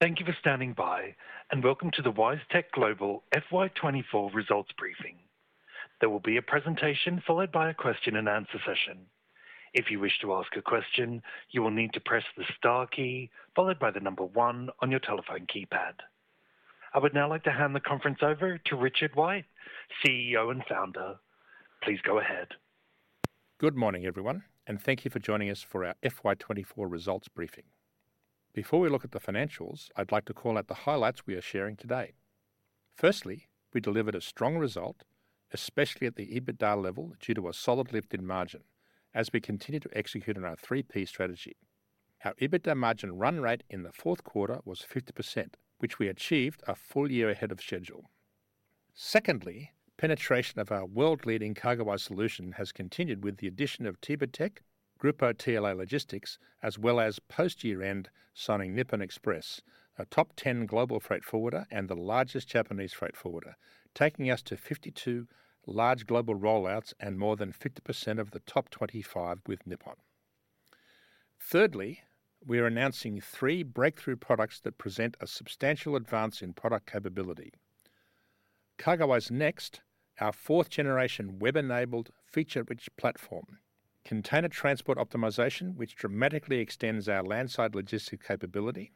Thank you for standing by, and welcome to the WiseTech Global FY 2024 results briefing. There will be a presentation followed by a question-and-answer session. If you wish to ask a question, you will need to press the star key followed by the number one on your telephone keypad. I would now like to hand the conference over to Richard White, CEO and Founder. Please go ahead. Good morning, everyone, and thank you for joining us for our FY 2024 results briefing. Before we look at the financials, I'd like to call out the highlights we are sharing today. Firstly, we delivered a strong result, especially at the EBITDA level, due to a solid lift in margin as we continue to execute on our 3P strategy. Our EBITDA margin run rate in the fourth quarter was 50%, which we achieved a full year ahead of schedule. Secondly, penetration of our world-leading CargoWise solution has continued with the addition of Topocean, Grupo TLA Logistics, as well as post-year-end, signing Nippon Express, a top ten global freight forwarder and the largest Japanese freight forwarder, taking us to 52 large global rollouts and more than 50% of the top 25 with Nippon. Thirdly, we are announcing three breakthrough products that present a substantial advance in product capability. CargoWise Next, our fourth-generation web-enabled, feature-rich platform. Container Transport Optimization, which dramatically extends our landside logistics capability.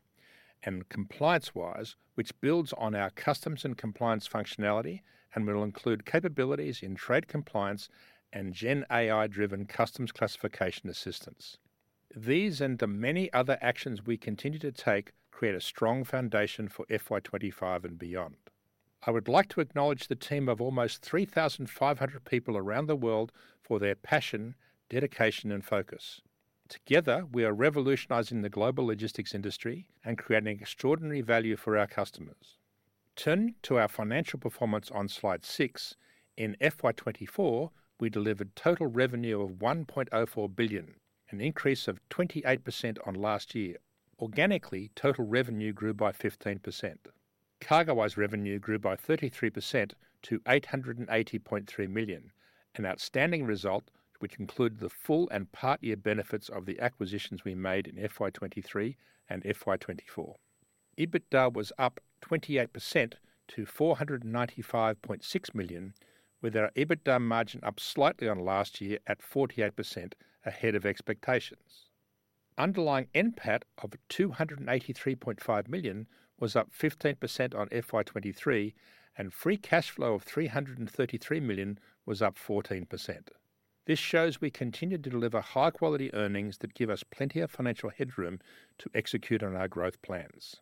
And ComplianceWise, which builds on our customs and compliance functionality and will include capabilities in trade compliance and Gen AI-driven customs classification assistance. These and the many other actions we continue to take create a strong foundation for FY 2025 and beyond. I would like to acknowledge the team of almost 3,500 people around the world for their passion, dedication, and focus. Together, we are revolutionizing the global logistics industry and creating extraordinary value for our customers. Turning to our financial performance on slide six, in FY 2024, we delivered total revenue of 1.04 billion, an increase of 28% on last year. Organically, total revenue grew by 15%. CargoWise revenue grew by 33% to 880.3 million, an outstanding result, which included the full and part year benefits of the acquisitions we made in FY 2023 and FY 2024. EBITDA was up 28% to 495.6 million, with our EBITDA margin up slightly on last year at 48% ahead of expectations. Underlying NPAT of 283.5 million was up 15% on FY 2023, and free cash flow of 333 million was up 14%. This shows we continued to deliver high-quality earnings that give us plenty of financial headroom to execute on our growth plans.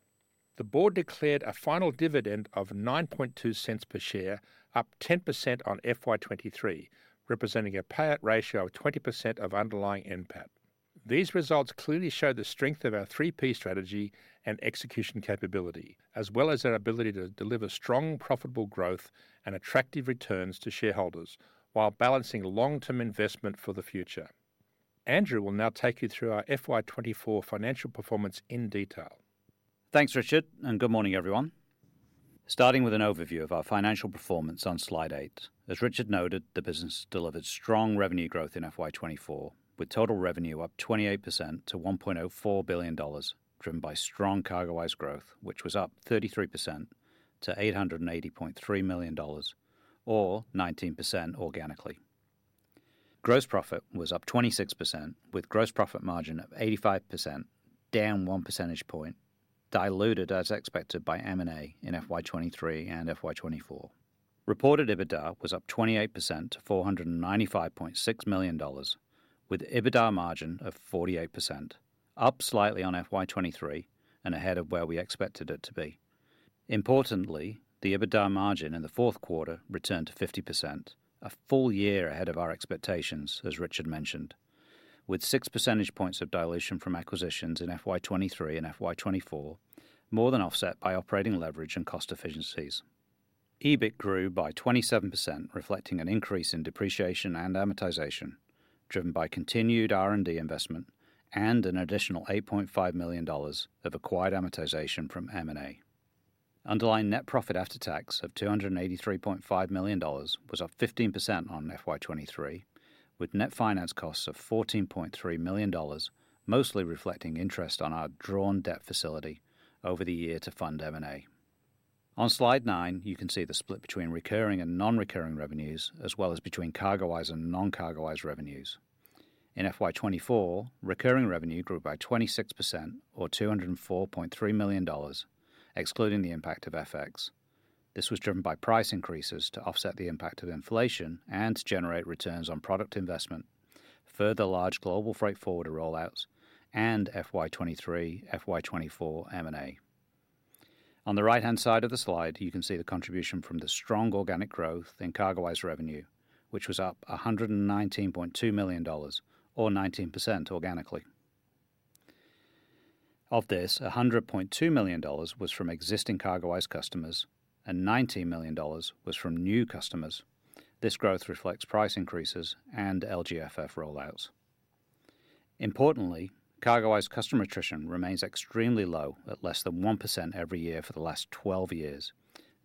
The board declared a final dividend of 0.092 per share, up 10% on FY 2023, representing a payout ratio of 20% of underlying NPAT. These results clearly show the strength of our 3P strategy and execution capability, as well as our ability to deliver strong, profitable growth and attractive returns to shareholders while balancing long-term investment for the future. Andrew will now take you through our FY 2024 financial performance in detail. Thanks, Richard, and good morning, everyone. Starting with an overview of our financial performance on slide eight. As Richard noted, the business delivered strong revenue growth in FY 2024, with total revenue up 28% to 1.04 billion dollars, driven by strong CargoWise growth, which was up 33% to 880.3 million dollars or 19% organically. Gross profit was up 26%, with gross profit margin of 85%, down one percentage point, diluted as expected by M&A in FY 2023 and FY 2024. Reported EBITDA was up 28% to 495.6 million dollars, with EBITDA margin of 48%, up slightly on FY 2023 and ahead of where we expected it to be. Importantly, the EBITDA margin in the fourth quarter returned to 50%, a full year ahead of our expectations, as Richard mentioned, with six percentage points of dilution from acquisitions in FY 2023 and FY 2024, more than offset by operating leverage and cost efficiencies. EBIT grew by 27%, reflecting an increase in depreciation and amortization, driven by continued R&D investment and an additional 8.5 million dollars of acquired amortization from M&A. Underlying net profit after tax of 283.5 million dollars was up 15% on FY 2023, with net finance costs of 14.3 million dollars, mostly reflecting interest on our drawn debt facility over the year to fund M&A. On slide nine, you can see the split between recurring and non-recurring revenues, as well as between CargoWise and non-CargoWise revenues. In FY 2024, recurring revenue grew by 26%, or 204.3 million dollars, excluding the impact of FX. This was driven by price increases to offset the impact of inflation and to generate returns on product investment, further large global freight forwarder rollouts, and FY 2023/FY 2024 M&A. On the right-hand side of the slide, you can see the contribution from the strong organic growth in CargoWise revenue, which was up 119.2 million dollars, or 19% organically. Of this, 100.2 million dollars was from existing CargoWise customers and 19 million dollars was from new customers. This growth reflects price increases and LGFF rollouts. Importantly, CargoWise customer attrition remains extremely low at less than 1% every year for the last 12 years.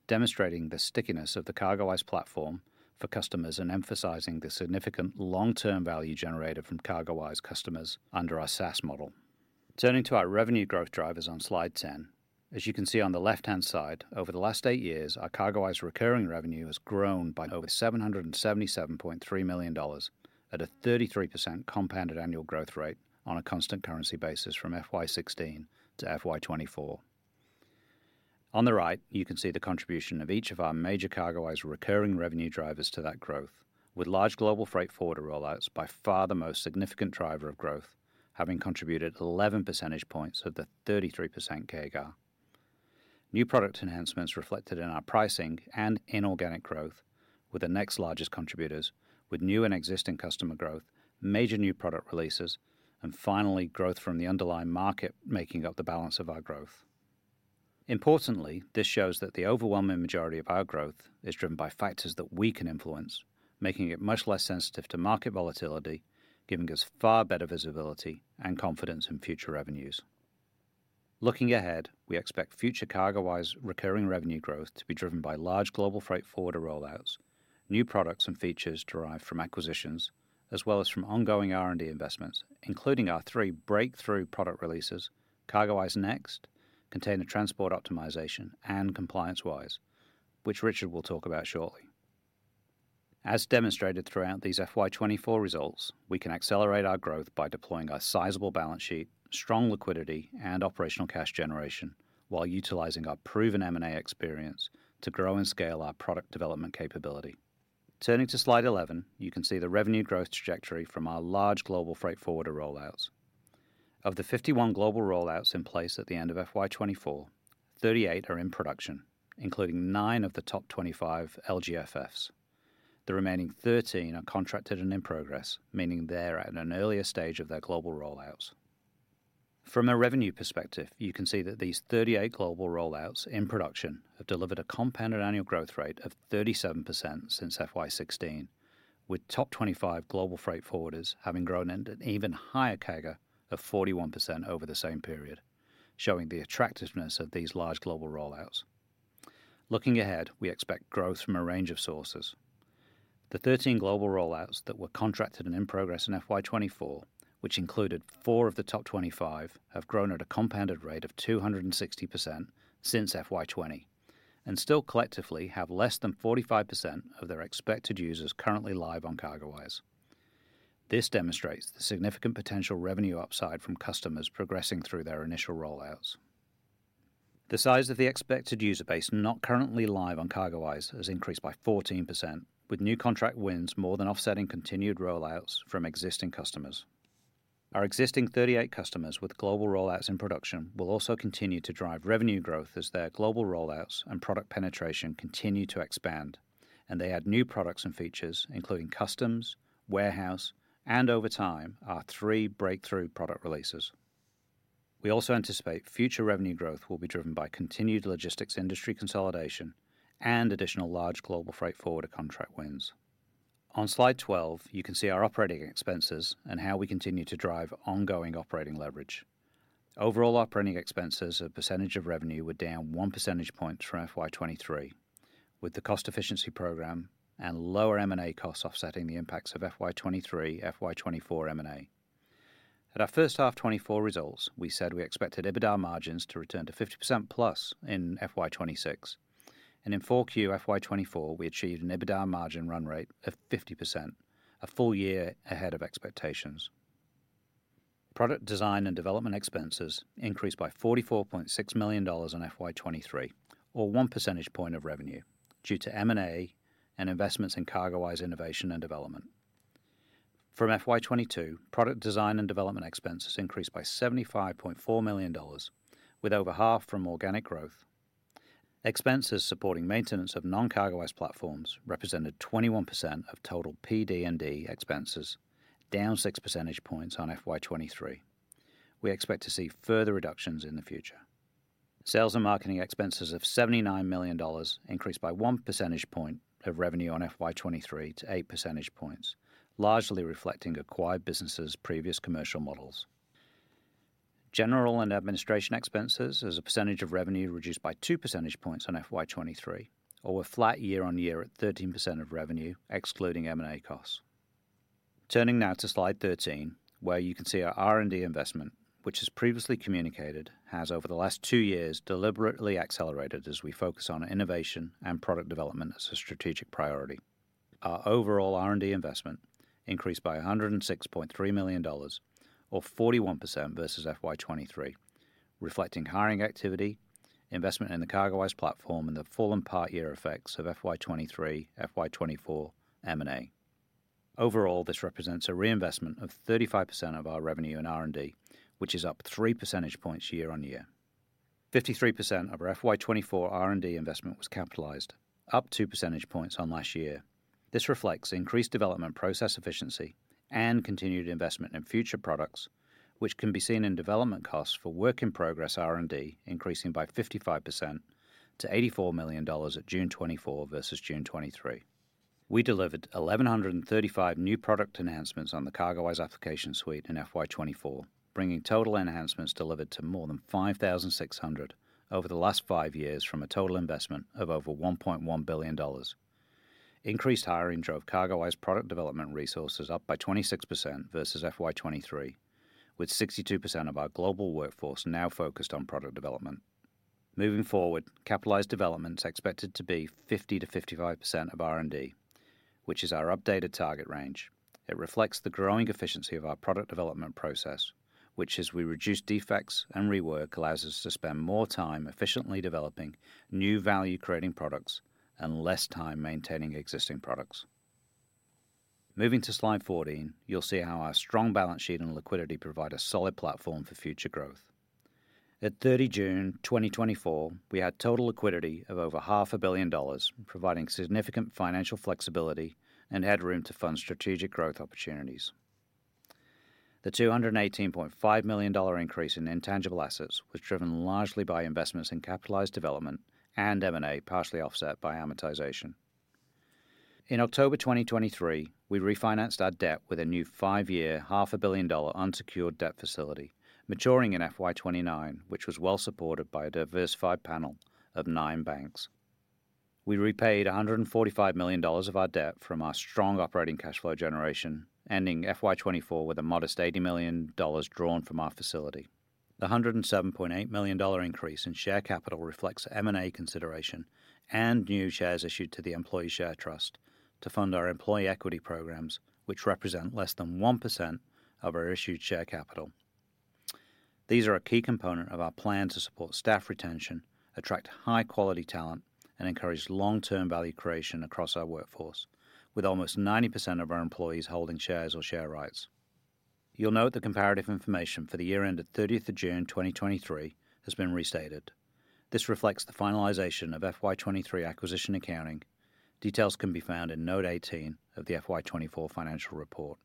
Demonstrating the stickiness of the CargoWise platform for customers and emphasizing the significant long-term value generated from CargoWise customers under our SaaS model. Turning to our revenue growth drivers on Slide 10. As you can see on the left-hand side, over the last eight years, our CargoWise recurring revenue has grown by over 777.3 million dollars at a 33% compounded annual growth rate on a constant currency basis from FY 2016 to FY 2024. On the right, you can see the contribution of each of our major CargoWise recurring revenue drivers to that growth, with large global freight forwarder rollouts by far the most significant driver of growth, having contributed 11 percentage points of the 33% CAGR. New product enhancements reflected in our pricing and inorganic growth were the next largest contributors, with new and existing customer growth, major new product releases, and finally, growth from the underlying market making up the balance of our growth. Importantly, this shows that the overwhelming majority of our growth is driven by factors that we can influence, making it much less sensitive to market volatility, giving us far better visibility and confidence in future revenues. Looking ahead, we expect future CargoWise recurring revenue growth to be driven by large global freight forwarder rollouts, new products and features derived from acquisitions, as well as from ongoing R&D investments, including our three breakthrough product releases: CargoWise Next, Container Transport Optimization, and ComplianceWise, which Richard will talk about shortly. As demonstrated throughout these FY 2024 results, we can accelerate our growth by deploying our sizable balance sheet, strong liquidity, and operational cash generation while utilizing our proven M&A experience to grow and scale our product development capability. Turning to Slide 11, you can see the revenue growth trajectory from our large global freight forwarder rollouts. Of the 51 global rollouts in place at the end of FY 2024, 38 are in production, including nine of the top 25 LGFFs. The remaining 13 are contracted and in progress, meaning they're at an earlier stage of their global rollouts. From a revenue perspective, you can see that these 38 global rollouts in production have delivered a compounded annual growth rate of 37% since FY 2016, with top 25 global freight forwarders having grown at an even higher CAGR of 41% over the same period, showing the attractiveness of these large global rollouts. Looking ahead, we expect growth from a range of sources. The 13 global rollouts that were contracted and in progress in FY 2024, which included 4 of the top 25, have grown at a compounded rate of 260% since FY 2020, and still collectively have less than 45% of their expected users currently live on CargoWise. This demonstrates the significant potential revenue upside from customers progressing through their initial rollouts. The size of the expected user base not currently live on CargoWise has increased by 14%, with new contract wins more than offsetting continued rollouts from existing customers. Our existing 38 customers with global rollouts in production will also continue to drive revenue growth as their global rollouts and product penetration continue to expand, and they add new products and features, including customs, warehouse, and over time, our three breakthrough product releases. We also anticipate future revenue growth will be driven by continued logistics industry consolidation and additional large global freight forwarder contract wins. On Slide 12, you can see our operating expenses and how we continue to drive ongoing operating leverage. Overall, operating expenses as a percentage of revenue were down one percentage point from FY 2023, with the cost efficiency program and lower M&A costs offsetting the impacts of FY 2023, FY 2024 M&A. At our first half 2024 results, we said we expected EBITDA margins to return to 50% plus in FY 2026, and in Q4 FY 2024, we achieved an EBITDA margin run rate of 50%, a full year ahead of expectations. Product design and development expenses increased by 44.6 million dollars in FY 2023, or one percentage point of revenue, due to M&A and investments in CargoWise innovation and development. From FY 2022, product design and development expenses increased by 75.4 million dollars, with over half from organic growth. Expenses supporting maintenance of non-CargoWise platforms represented 21% of total PD&D expenses, down six percentage points on FY 2023. We expect to see further reductions in the future. Sales and marketing expenses of 79 million dollars increased by one percentage point of revenue on FY 2023 to eight percentage points, largely reflecting acquired businesses' previous commercial models. General and administration expenses as a percentage of revenue reduced by two percentage points on FY 2023, or were flat year-on-year at 13% of revenue, excluding M&A costs. Turning now to Slide 13, where you can see our R&D investment, which, as previously communicated, has over the last two years deliberately accelerated as we focus on innovation and product development as a strategic priority. Our overall R&D investment increased by 106.3 million dollars, or 41% versus FY 2023, reflecting hiring activity, investment in the CargoWise platform, and the full and part year effects of FY 2023, FY 2024 M&A. Overall, this represents a reinvestment of 35% of our revenue in R&D, which is up three percentage points year-on-year. 53% of our FY 2024 R&D investment was capitalized, up two percentage points on last year. This reflects increased development, process efficiency, and continued investment in future products, which can be seen in development costs for work-in-progress R&D, increasing by 55% to 84 million dollars at June 2024 versus June 2023. We delivered 1,135 new product enhancements on the CargoWise application suite in FY 2024, bringing total enhancements delivered to more than 5,600 over the last five years from a total investment of over 1.1 billion dollars. Increased hiring drove CargoWise product development resources up by 26% versus FY 2023, with 62% of our global workforce now focused on product development. Moving forward, capitalized development is expected to be 50%-55% of R&D, which is our updated target range. It reflects the growing efficiency of our product development process, which, as we reduce defects and rework, allows us to spend more time efficiently developing new value-creating products and less time maintaining existing products. Moving to slide 14, you'll see how our strong balance sheet and liquidity provide a solid platform for future growth. At June 30, 2024, we had total liquidity of over 500 million dollars, providing significant financial flexibility and headroom to fund strategic growth opportunities. The 218.5 million dollar increase in intangible assets was driven largely by investments in capitalized development and M&A, partially offset by amortization. In October 2023, we refinanced our debt with a new five-year, AUD 500 million unsecured debt facility maturing in FY 2029, which was well supported by a diversified panel of nine banks. We repaid 145 million dollars of our debt from our strong operating cash flow generation, ending FY 2024 with a modest 80 million dollars drawn from our facility. The 107.8 million dollar increase in share capital reflects M&A consideration and new shares issued to the employee share trust to fund our employee equity programs, which represent less than 1% of our issued share capital. These are a key component of our plan to support staff retention, attract high-quality talent, and encourage long-term value creation across our workforce, with almost 90% of our employees holding shares or share rights. You'll note the comparative information for the year ended thirtieth of June, twenty twenty-three has been restated. This reflects the finalization of FY 2023 acquisition accounting. Details can be found in Note 18 of the FY 2024 financial report.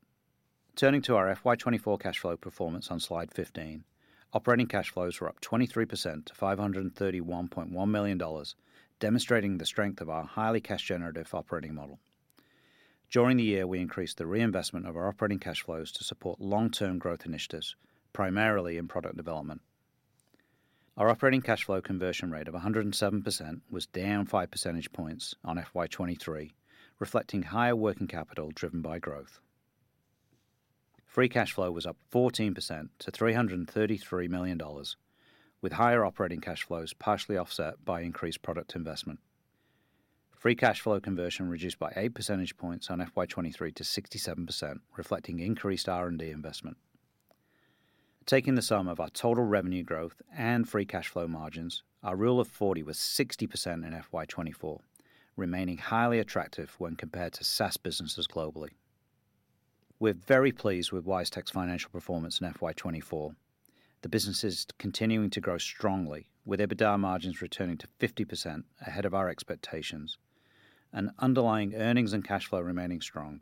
Turning to our FY 2024 cash flow performance on Slide 15, operating cash flows were up 23% to 531.1 million dollars, demonstrating the strength of our highly cash-generative operating model. During the year, we increased the reinvestment of our operating cash flows to support long-term growth initiatives, primarily in product development. Our operating cash flow conversion rate of 107% was down 5 percentage points on FY 2023, reflecting higher working capital driven by growth. Free cash flow was up 14% to 333 million dollars, with higher operating cash flows partially offset by increased product investment. Free cash flow conversion reduced by eight percentage points on FY 2023 to 67%, reflecting increased R&D investment. Taking the sum of our total revenue growth and free cash flow margins, our Rule of 40 was 60% in FY 2024, remaining highly attractive when compared to SaaS businesses globally. We're very pleased with WiseTech's financial performance in FY 2024. The business is continuing to grow strongly, with EBITDA margins returning to 50% ahead of our expectations and underlying earnings and cash flow remaining strong.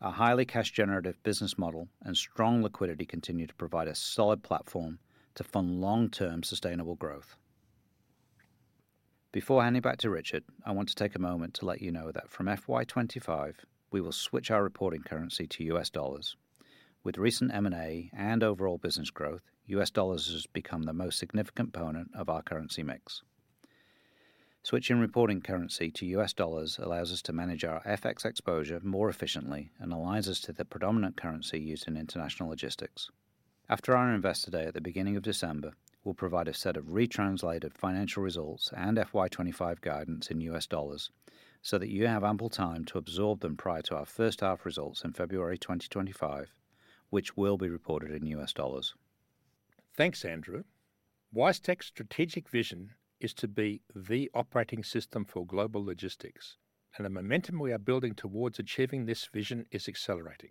Our highly cash-generative business model and strong liquidity continue to provide a solid platform to fund long-term sustainable growth. Before handing back to Richard, I want to take a moment to let you know that from FY 2025, we will switch our reporting currency to US dollars. With recent M&A and overall business growth, US dollars has become the most significant component of our currency mix. Switching reporting currency to U.S. dollars allows us to manage our FX exposure more efficiently and aligns us to the predominant currency used in international logistics. After our Investor Day at the beginning of December, we'll provide a set of retranslated financial results and FY 2025 guidance in U.S. dollars so that you have ample time to absorb them prior to our first half results in February 2025, which will be reported in U.S. dollars. Thanks, Andrew. WiseTech's strategic vision is to be the operating system for global logistics, and the momentum we are building towards achieving this vision is accelerating.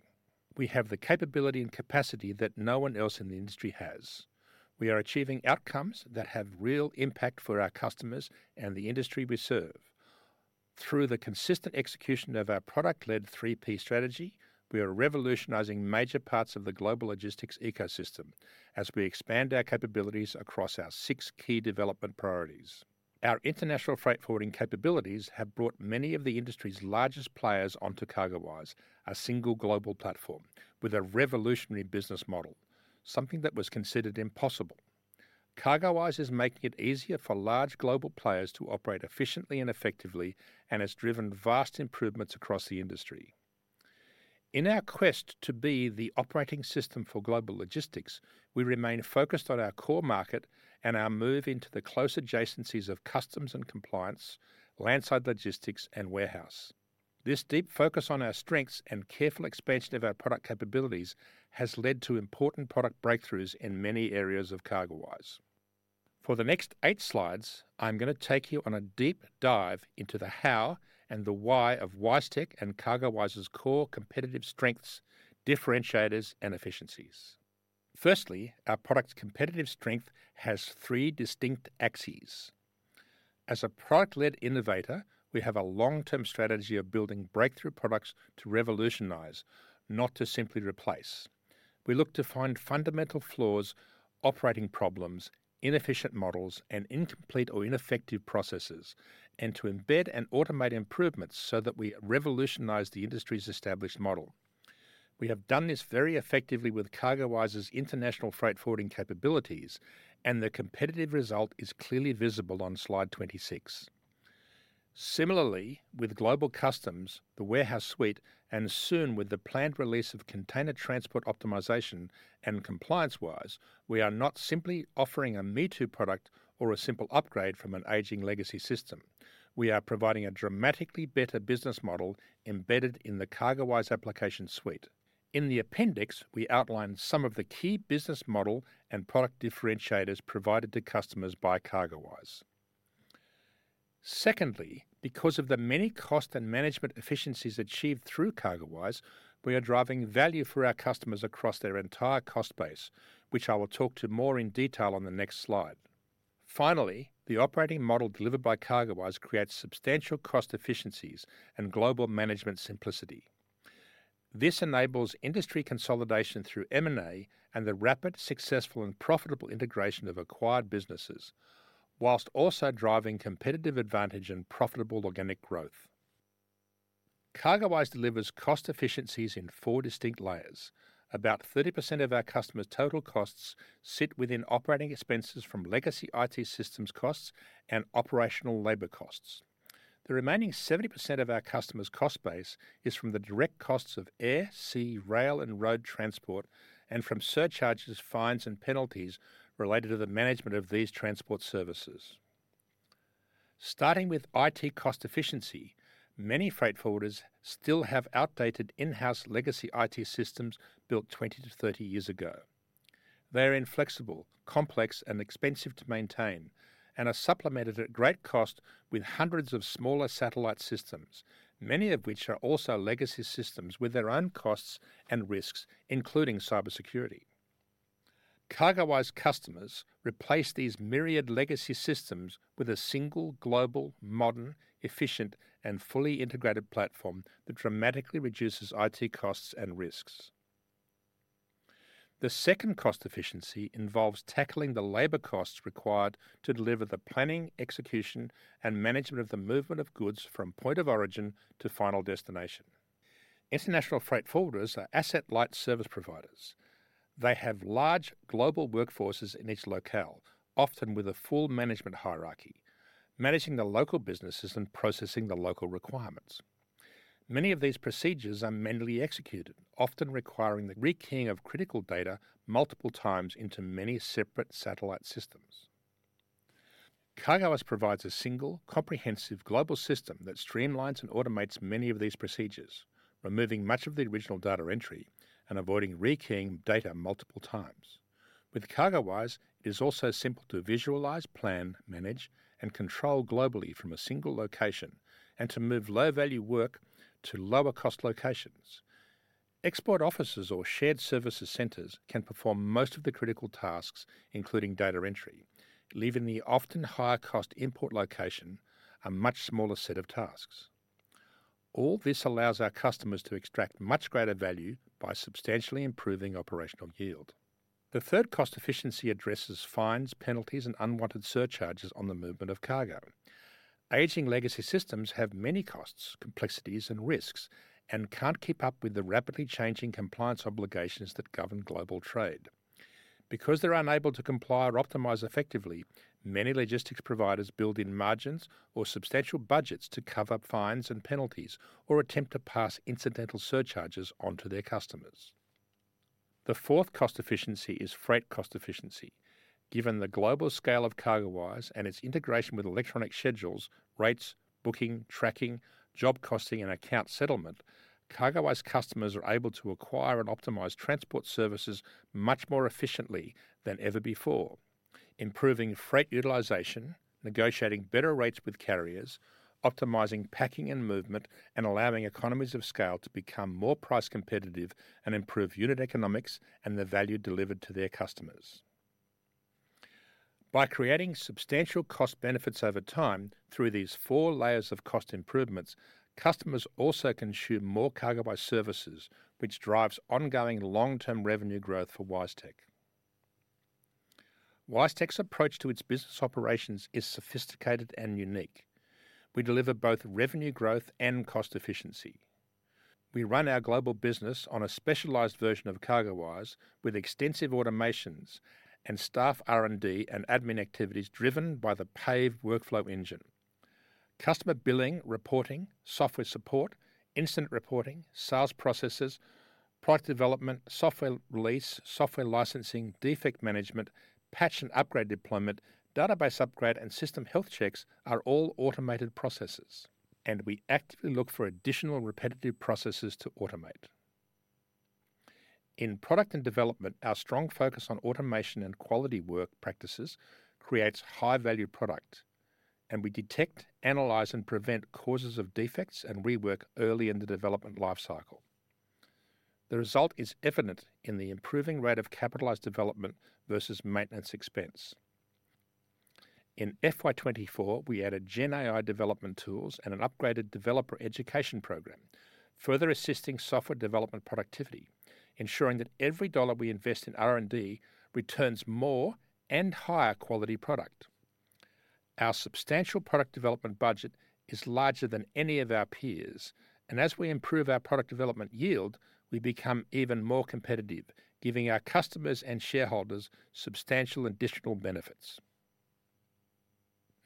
We have the capability and capacity that no one else in the industry has. We are achieving outcomes that have real impact for our customers and the industry we serve. Through the consistent execution of our product-led 3P strategy, we are revolutionizing major parts of the global logistics ecosystem as we expand our capabilities across our six key development priorities. Our international freight forwarding capabilities have brought many of the industry's largest players onto CargoWise, a single global platform with a revolutionary business model, something that was considered impossible. CargoWise is making it easier for large global players to operate efficiently and effectively, and has driven vast improvements across the industry. In our quest to be the operating system for global logistics, we remain focused on our core market and our move into the close adjacencies of customs and compliance, landside logistics, and warehouse. This deep focus on our strengths and careful expansion of our product capabilities has led to important product breakthroughs in many areas of CargoWise. For the next eight slides, I'm gonna take you on a deep dive into the how and the why of WiseTech and CargoWise's core competitive strengths, differentiators, and efficiencies. Firstly, our product's competitive strength has three distinct axes. As a product-led innovator, we have a long-term strategy of building breakthrough products to revolutionize, not to simply replace. We look to find fundamental flaws, operating problems, inefficient models, and incomplete or ineffective processes, and to embed and automate improvements so that we revolutionize the industry's established model. We have done this very effectively with CargoWise's international freight forwarding capabilities, and the competitive result is clearly visible on slide 26. Similarly, with Global Customs, the Warehouse Suite, and soon with the planned release of Container Transport Optimization and ComplianceWise, we are not simply offering a me-too product or a simple upgrade from an aging legacy system. We are providing a dramatically better business model embedded in the CargoWise application suite. In the appendix, we outline some of the key business model and product differentiators provided to customers by CargoWise. Secondly, because of the many cost and management efficiencies achieved through CargoWise, we are driving value for our customers across their entire cost base, which I will talk to more in detail on the next slide. Finally, the operating model delivered by CargoWise creates substantial cost efficiencies and global management simplicity. This enables industry consolidation through M&A and the rapid, successful, and profitable integration of acquired businesses, while also driving competitive advantage and profitable organic growth. CargoWise delivers cost efficiencies in four distinct layers. About 30% of our customers' total costs sit within operating expenses from legacy IT systems costs and operational labor costs. The remaining 70% of our customers' cost base is from the direct costs of air, sea, rail, and road transport, and from surcharges, fines, and penalties related to the management of these transport services. Starting with IT cost efficiency, many freight forwarders still have outdated in-house legacy IT systems built 20 to 30 years ago. They are inflexible, complex, and expensive to maintain and are supplemented at great cost with hundreds of smaller satellite systems, many of which are also legacy systems with their own costs and risks, including cybersecurity. CargoWise customers replace these myriad legacy systems with a single global, modern, efficient, and fully integrated platform that dramatically reduces IT costs and risks. The second cost efficiency involves tackling the labor costs required to deliver the planning, execution, and management of the movement of goods from point of origin to final destination. International freight forwarders are asset-light service providers. They have large global workforces in each locale, often with a full management hierarchy, managing the local businesses and processing the local requirements. Many of these procedures are manually executed, often requiring the rekeying of critical data multiple times into many separate satellite systems. CargoWise provides a single, comprehensive global system that streamlines and automates many of these procedures, removing much of the original data entry and avoiding rekeying data multiple times. With CargoWise, it is also simple to visualize, plan, manage, and control globally from a single location, and to move low-value work to lower-cost locations. Export offices or shared services centers can perform most of the critical tasks, including data entry, leaving the often higher-cost import location a much smaller set of tasks. All this allows our customers to extract much greater value by substantially improving operational yield. The third cost efficiency addresses fines, penalties, and unwanted surcharges on the movement of cargo. Aging legacy systems have many costs, complexities, and risks and can't keep up with the rapidly changing compliance obligations that govern global trade. Because they're unable to comply or optimize effectively, many logistics providers build in margins or substantial budgets to cover fines and penalties, or attempt to pass incidental surcharges on to their customers. The fourth cost efficiency is freight cost efficiency. Given the global scale of CargoWise and its integration with electronic schedules, rates, booking, tracking, job costing, and account settlement, CargoWise customers are able to acquire and optimize transport services much more efficiently than ever before, improving freight utilization, negotiating better rates with carriers, optimizing packing and movement, and allowing economies of scale to become more price competitive and improve unit economics and the value delivered to their customers. By creating substantial cost benefits over time through these four layers of cost improvements, customers also consume more CargoWise services, which drives ongoing long-term revenue growth for WiseTech. WiseTech's approach to its business operations is sophisticated and unique. We deliver both revenue growth and cost efficiency. We run our global business on a specialized version of CargoWise with extensive automations and staff R&D and admin activities driven by the PAVE workflow engine. Customer billing, reporting, software support, incident reporting, sales processes, product development, software release, software licensing, defect management, patch and upgrade deployment, database upgrade, and system health checks are all automated processes, and we actively look for additional repetitive processes to automate. In product and development, our strong focus on automation and quality work practices creates high-value product, and we detect, analyze, and prevent causes of defects and rework early in the development life cycle. The result is evident in the improving rate of capitalized development versus maintenance expense. In FY 2024, we added Gen AI development tools and an upgraded developer education program, further assisting software development productivity, ensuring that every dollar we invest in R&D returns more and higher quality product. Our substantial product development budget is larger than any of our peers, and as we improve our product development yield, we become even more competitive, giving our customers and shareholders substantial additional benefits.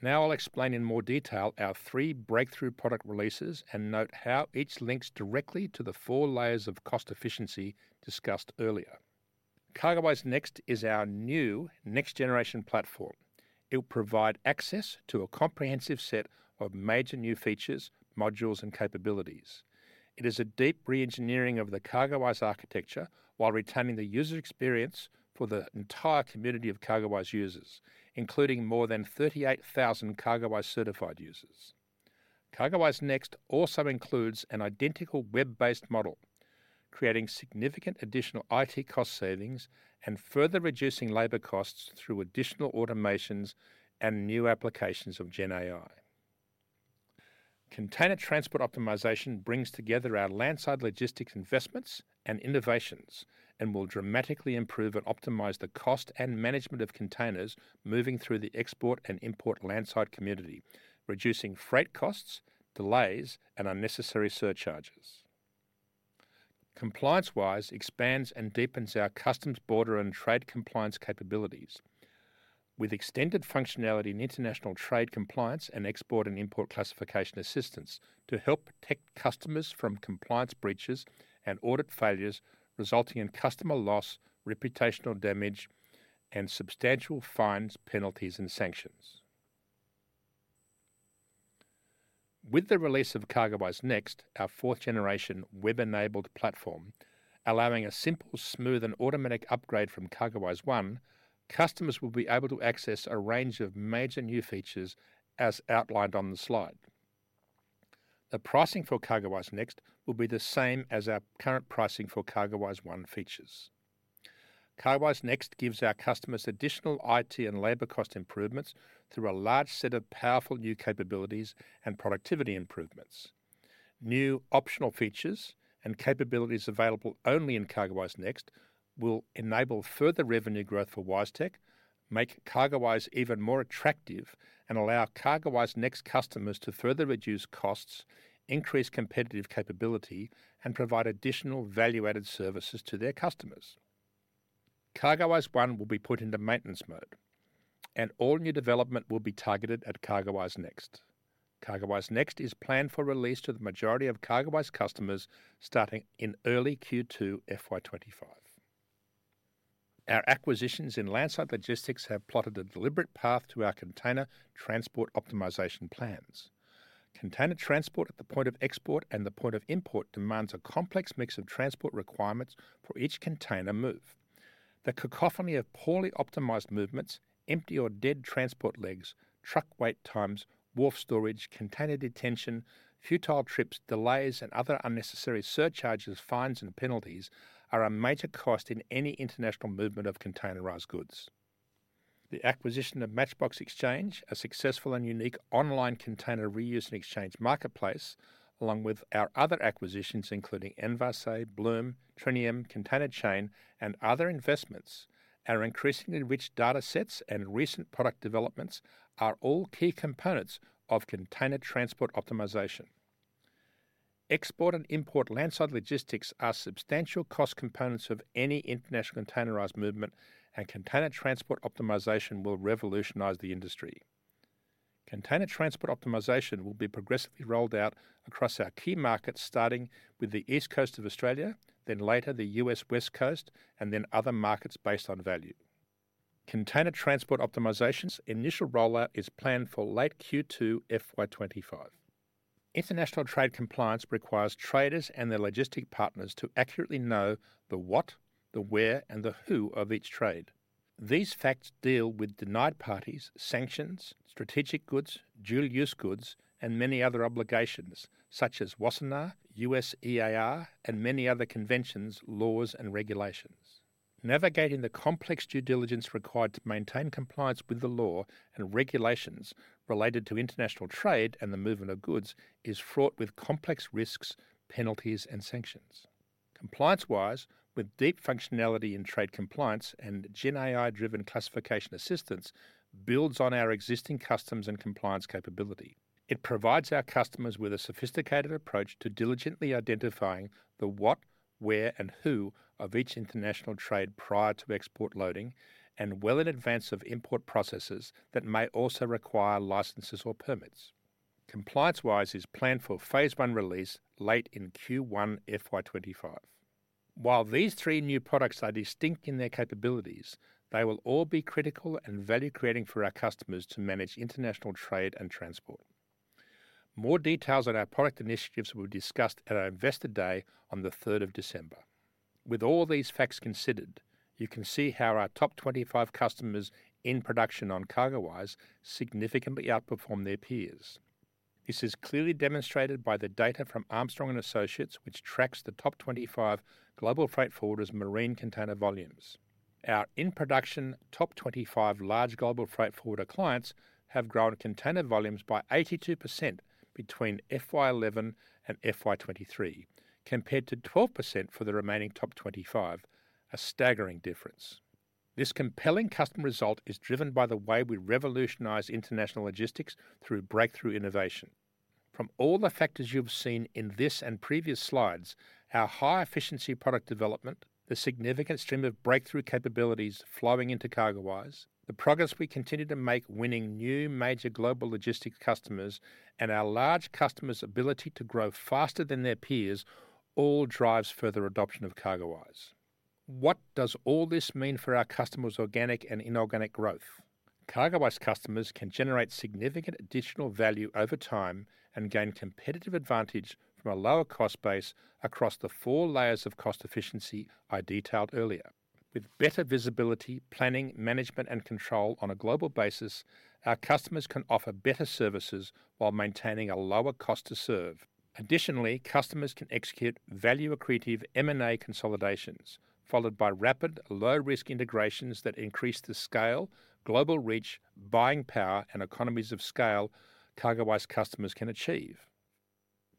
Now, I'll explain in more detail our three breakthrough product releases and note how each links directly to the four layers of cost efficiency discussed earlier. CargoWise Next is our new next generation platform. It will provide access to a comprehensive set of major new features, modules, and capabilities. It is a deep reengineering of the CargoWise architecture while retaining the user experience for the entire community of CargoWise users, including more than thirty-eight thousand CargoWise certified users. CargoWise Next also includes an identical web-based model, creating significant additional IT cost savings and further reducing labor costs through additional automations and new applications of Gen AI. Container Transport Optimization brings together our landside logistics investments and innovations, and will dramatically improve and optimize the cost and management of containers moving through the export and import landside community, reducing freight costs, delays, and unnecessary surcharges. ComplianceWise expands and deepens our customs, border, and trade compliance capabilities. With extended functionality in international trade compliance and export and import classification assistance to help protect customers from compliance breaches and audit failures, resulting in customer loss, reputational damage, and substantial fines, penalties, and sanctions. With the release of CargoWise Next, our fourth generation web-enabled platform, allowing a simple, smooth, and automatic upgrade from CargoWise One, customers will be able to access a range of major new features as outlined on the slide. The pricing for CargoWise Next will be the same as our current pricing for CargoWise One features. CargoWise Next gives our customers additional IT and labor cost improvements through a large set of powerful new capabilities and productivity improvements. New optional features and capabilities available only in CargoWise Next will enable further revenue growth for WiseTech, make CargoWise even more attractive, and allow CargoWise Next customers to further reduce costs, increase competitive capability, and provide additional value-added services to their customers. CargoWise One will be put into maintenance mode, and all new development will be targeted at CargoWise Next. CargoWise Next is planned for release to the majority of CargoWise customers starting in early Q2 FY 2025. Our acquisitions in landside logistics have plotted a deliberate path to our container transport optimization plans. Container transport at the point of export and the point of import demands a complex mix of transport requirements for each container move. The cacophony of poorly optimized movements, empty or dead transport legs, truck wait times, wharf storage, container detention, futile trips, delays, and other unnecessary surcharges, fines, and penalties are a major cost in any international movement of containerized goods. The acquisition of MatchBox Exchange, a successful and unique online container reuse and exchange marketplace, along with our other acquisitions, including Envase, Blume, Trinium, Containerchain, and other investments, our increasingly rich data sets and recent product developments are all key components of Container Transport Optimization. Export and import landside logistics are substantial cost components of any international containerized movement, and Container Transport Optimization will revolutionize the industry. Container Transport Optimization will be progressively rolled out across our key markets, starting with the East Coast of Australia, then later the U.S. West Coast, and then other markets based on value. Container Transport Optimization's initial rollout is planned for late Q2 FY 2025. International trade compliance requires traders and their logistic partners to accurately know the what, the where, and the who of each trade. These facts deal with denied parties, sanctions, strategic goods, dual-use goods, and many other obligations, such as Wassenaar, U.S. EAR, and many other conventions, laws, and regulations. Navigating the complex due diligence required to maintain compliance with the law and regulations related to international trade and the movement of goods is fraught with complex risks, penalties, and sanctions. ComplianceWise, with deep functionality in trade compliance and Gen AI-driven classification assistance, builds on our existing customs and compliance capability. It provides our customers with a sophisticated approach to diligently identifying the what, where, and who of each international trade prior to export loading and well in advance of import processes that may also require licenses or perits. ComplianceWise is planned for phase I release late in Q1 FY25. While these three new products are distinct in their capabilities, they will all be critical and value-creating for our customers to manage international trade and transport. More details on our product initiatives will be discussed at our Investor Day on the third of December. With all these facts considered, you can see how our top 25 customers in production on CargoWise significantly outperform their peers. This is clearly demonstrated by the data from Armstrong & Associates, which tracks the top 25 global freight forwarders' marine container volumes. Our in-production top 25 large global freight forwarder clients have grown container volumes by 82% between FY 2011 and FY 2023, compared to 12% for the remaining top 25. A staggering difference. This compelling customer result is driven by the way we revolutionize international logistics through breakthrough innovation. From all the factors you've seen in this and previous slides, our high-efficiency product development, the significant stream of breakthrough capabilities flowing into CargoWise, the progress we continue to make winning new major global logistics customers, and our large customers' ability to grow faster than their peers all drives further adoption of CargoWise. What does all this mean for our customers' organic and inorganic growth? CargoWise customers can generate significant additional value over time and gain competitive advantage from a lower cost base across the four layers of cost efficiency I detailed earlier. With better visibility, planning, management, and control on a global basis, our customers can offer better services while maintaining a lower cost to serve. Additionally, customers can execute value-accretive M&A consolidations, followed by rapid, low-risk integrations that increase the scale, global reach, buying power, and economies of scale CargoWise customers can achieve.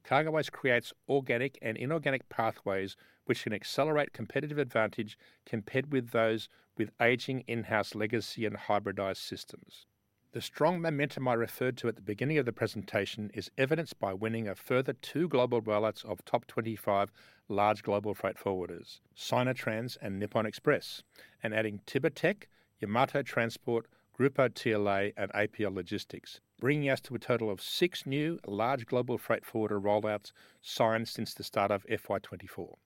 CargoWise creates organic and inorganic pathways, which can accelerate competitive advantage compared with those with aging in-house legacy and hybridized systems. The strong momentum I referred to at the beginning of the presentation is evidenced by winning a further two global rollouts of top twenty-five large global freight forwarders, Sinotrans and Nippon Express, and adding Topocean, Yamato Transport, Grupo TLA, and APL Logistics, bringing us to a total of six new large global freight forwarder rollouts signed since the start of FY 2024.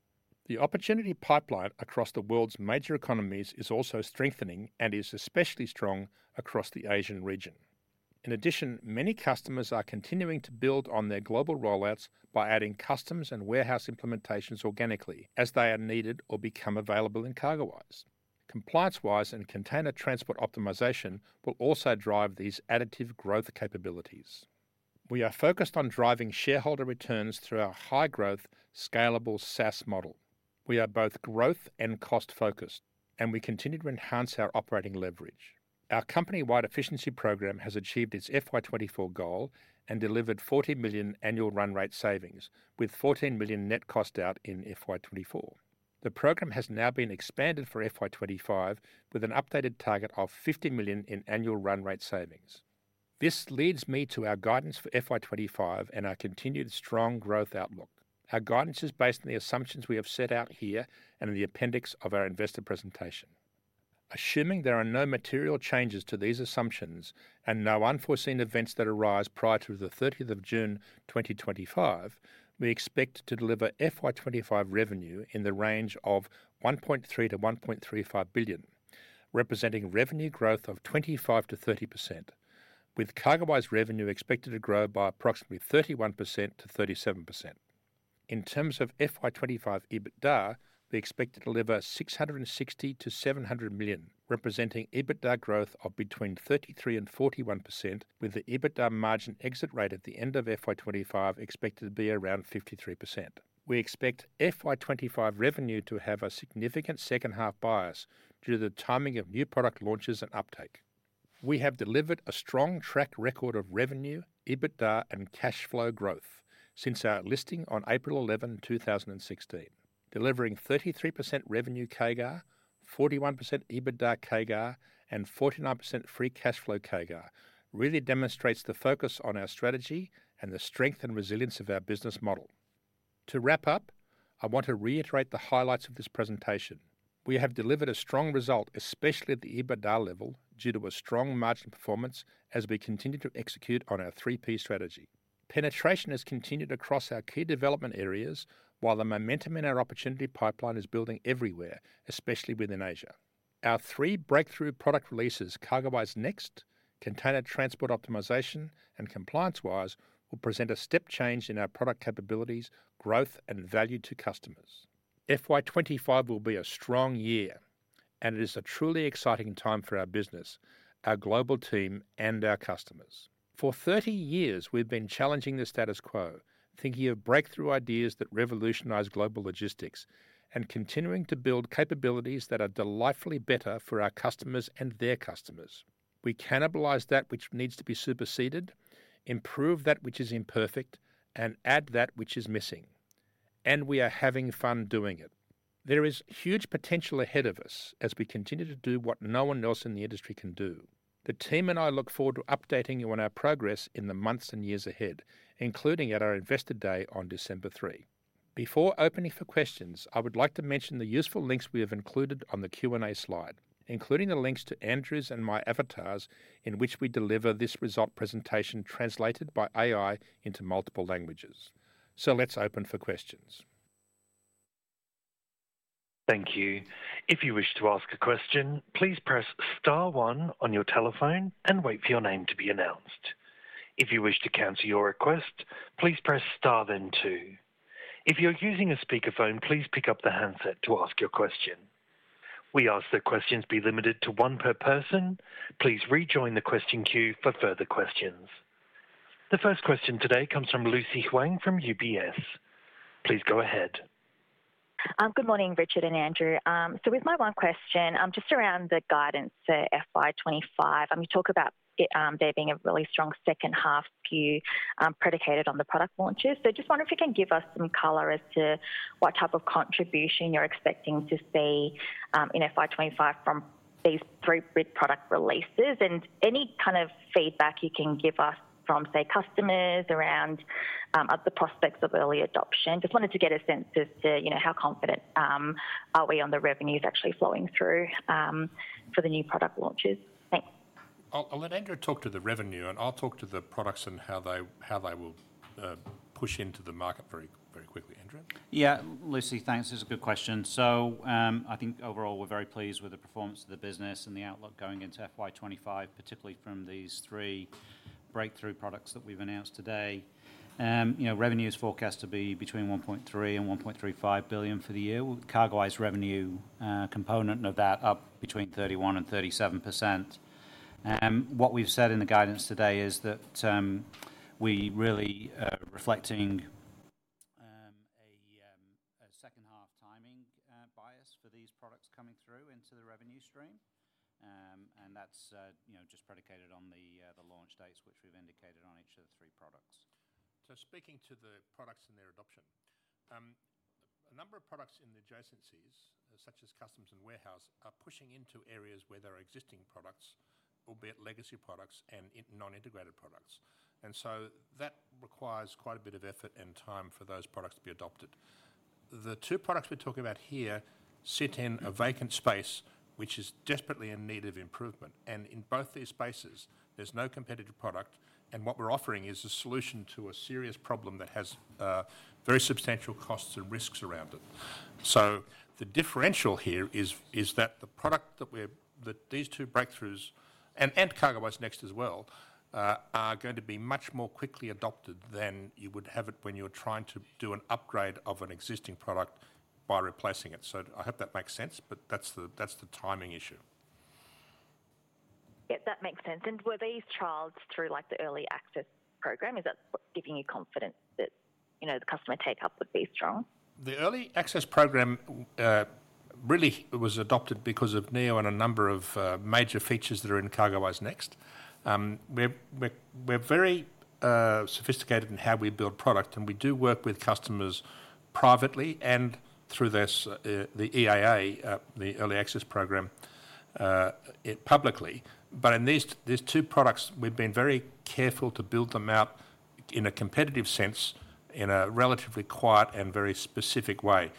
The opportunity pipeline across the world's major economies is also strengthening and is especially strong across the Asian region. In addition, many customers are continuing to build on their global rollouts by adding customs and warehouse implementations organically as they are needed or become available in CargoWise. ComplianceWise and Container Transport Optimization will also drive these additive growth capabilities. We are focused on driving shareholder returns through our high-growth, scalable SaaS model. We are both growth and cost-focused, and we continue to enhance our operating leverage. Our company-wide efficiency program has achieved its FY 2024 goal and delivered 40 million annual run rate savings, with 14 million net cost out in FY 2024. The program has now been expanded for FY 2025, with an updated target of 50 million in annual run rate savings. This leads me to our guidance for FY 2025 and our continued strong growth outlook. Our guidance is based on the assumptions we have set out here and in the appendix of our investor presentation. Assuming there are no material changes to these assumptions and no unforeseen events that arise prior to June 30, 2025, we expect to deliver FY 2025 revenue in the range of 1.3 billion-1.35 billion, representing revenue growth of 25%-30%, with CargoWise revenue expected to grow by approximately 31%-37%. In terms of FY25 EBITDA, we expect to deliver 660-700 million, representing EBITDA growth of between 33% and 41%, with the EBITDA margin exit rate at the end of FY 2025 expected to be around 53%. We expect FY 2025 revenue to have a significant second half bias due to the timing of new product launches and uptake. We have delivered a strong track record of revenue, EBITDA, and cash flow growth since our listing on April 11, 2016. Delivering 33% revenue CAGR, 41% EBITDA CAGR, and 49% free cash flow CAGR really demonstrates the focus on our strategy and the strength and resilience of our business model. To wrap up, I want to reiterate the highlights of this presentation. We have delivered a strong result, especially at the EBITDA level, due to a strong marginal performance as we continue to execute on our three P strategy. Penetration has continued across our key development areas, while the momentum in our opportunity pipeline is building everywhere, especially within Asia. Our three breakthrough product releases, CargoWise Next, Container Transport Optimization, and ComplianceWise, will present a step change in our product capabilities, growth, and value to customers. FY 2025 will be a strong year, and it is a truly exciting time for our business, our global team, and our customers. For 30 years, we've been challenging the status quo, thinking of breakthrough ideas that revolutionize global logistics and continuing to build capabilities that are delightfully better for our customers and their customers. We cannibalize that which needs to be superseded, improve that which is imperfect, and add that which is missing, and we are having fun doing it. There is huge potential ahead of us as we continue to do what no one else in the industry can do. The team and I look forward to updating you on our progress in the months and years ahead, including at our Investor Day on December 3. Before opening for questions, I would like to mention the useful links we have included on the Q&A slide, including the links to Andrew's and my avatars, in which we deliver this result presentation translated by AI into multiple languages. So let's open for questions. Thank you. If you wish to ask a question, please press star one on your telephone and wait for your name to be announced. If you wish to cancel your request, please press star, then two. If you're using a speakerphone, please pick up the handset to ask your question. We ask that questions be limited to one per person. Please rejoin the question queue for further questions. The first question today comes from Lucy Huang from UBS. Please go ahead. Good morning, Richard and Andrew. So with my one question, just around the guidance for FY 2025, and you talk about it, there being a really strong second half view, predicated on the product launches. So just wonder if you can give us some color as to what type of contribution you're expecting to see in FY 2025 from these three big product releases, and any kind of feedback you can give us from, say, customers around of the prospects of early adoption. Just wanted to get a sense as to, you know, how confident are we on the revenues actually flowing through for the new product launches? Thanks. I'll let Andrew talk to the revenue, and I'll talk to the products and how they will push into the market very, very quickly. Andrew? Yeah, Lucy, thanks. It's a good question, so I think overall, we're very pleased with the performance of the business and the outlook going into FY 2025, particularly from these three breakthrough products that we've announced today. You know, revenue is forecast to be between 1.3 billion and 1.35 billion for the year, with CargoWise revenue component of that up between 31% and 37%. What we've said in the guidance today is that we really are reflecting a second-half timing bias for these products coming through into the revenue stream. And that's you know just predicated on the launch dates, which we've indicated on each of the three products. Speaking to the products and their adoption, a number of products in the adjacencies, such as customs and warehouse, are pushing into areas where there are existing products, albeit legacy products and non-integrated products. That requires quite a bit of effort and time for those products to be adopted. The two products we're talking about here sit in a vacant space, which is desperately in need of improvement. In both these spaces, there's no competitive product, and what we're offering is a solution to a serious problem that has very substantial costs and risks around it. So the differential here is that these two breakthroughs and CargoWise Next as well are going to be much more quickly adopted than you would have it when you're trying to do an upgrade of an existing product by replacing it. So I hope that makes sense, but that's the timing issue. Yeah, that makes sense. And were these trials through, like, the Early Access Program? Is that what's giving you confidence that, you know, the customer take-up would be strong? The early access program really was adopted because of Neo and a number of major features that are in CargoWise Next. We're very sophisticated in how we build product, and we do work with customers privately and through this early access program publicly. But in these two products, we've been very careful to build them out in a competitive sense, in a relatively quiet and very specific way.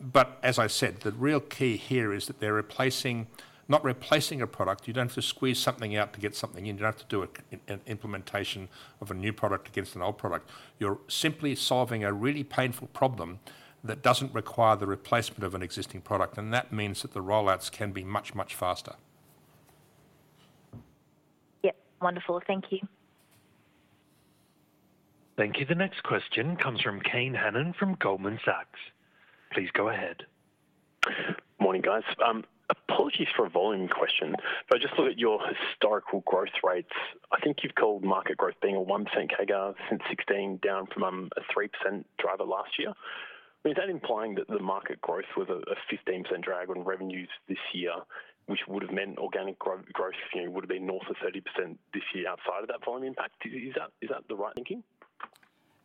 But as I said, the real key here is that they're replacing, not replacing a product. You don't have to squeeze something out to get something in. You don't have to do an implementation of a new product against an old product. You're simply solving a really painful problem that doesn't require the replacement of an existing product, and that means that the rollouts can be much, much faster. Yep. Wonderful. Thank you. Thank you. The next question comes from Kane Hannan from Goldman Sachs. Please go ahead. Morning, guys. Apologies for a volume question, but I just looked at your historical growth rates. I think you've called market growth being a 1% CAGR since 2016, down from a 3% driver last year. I mean, is that implying that the market growth was a 15% drag on revenues this year, which would've meant organic growth, you know, would have been north of 30% this year outside of that volume impact? Is that the right thinking?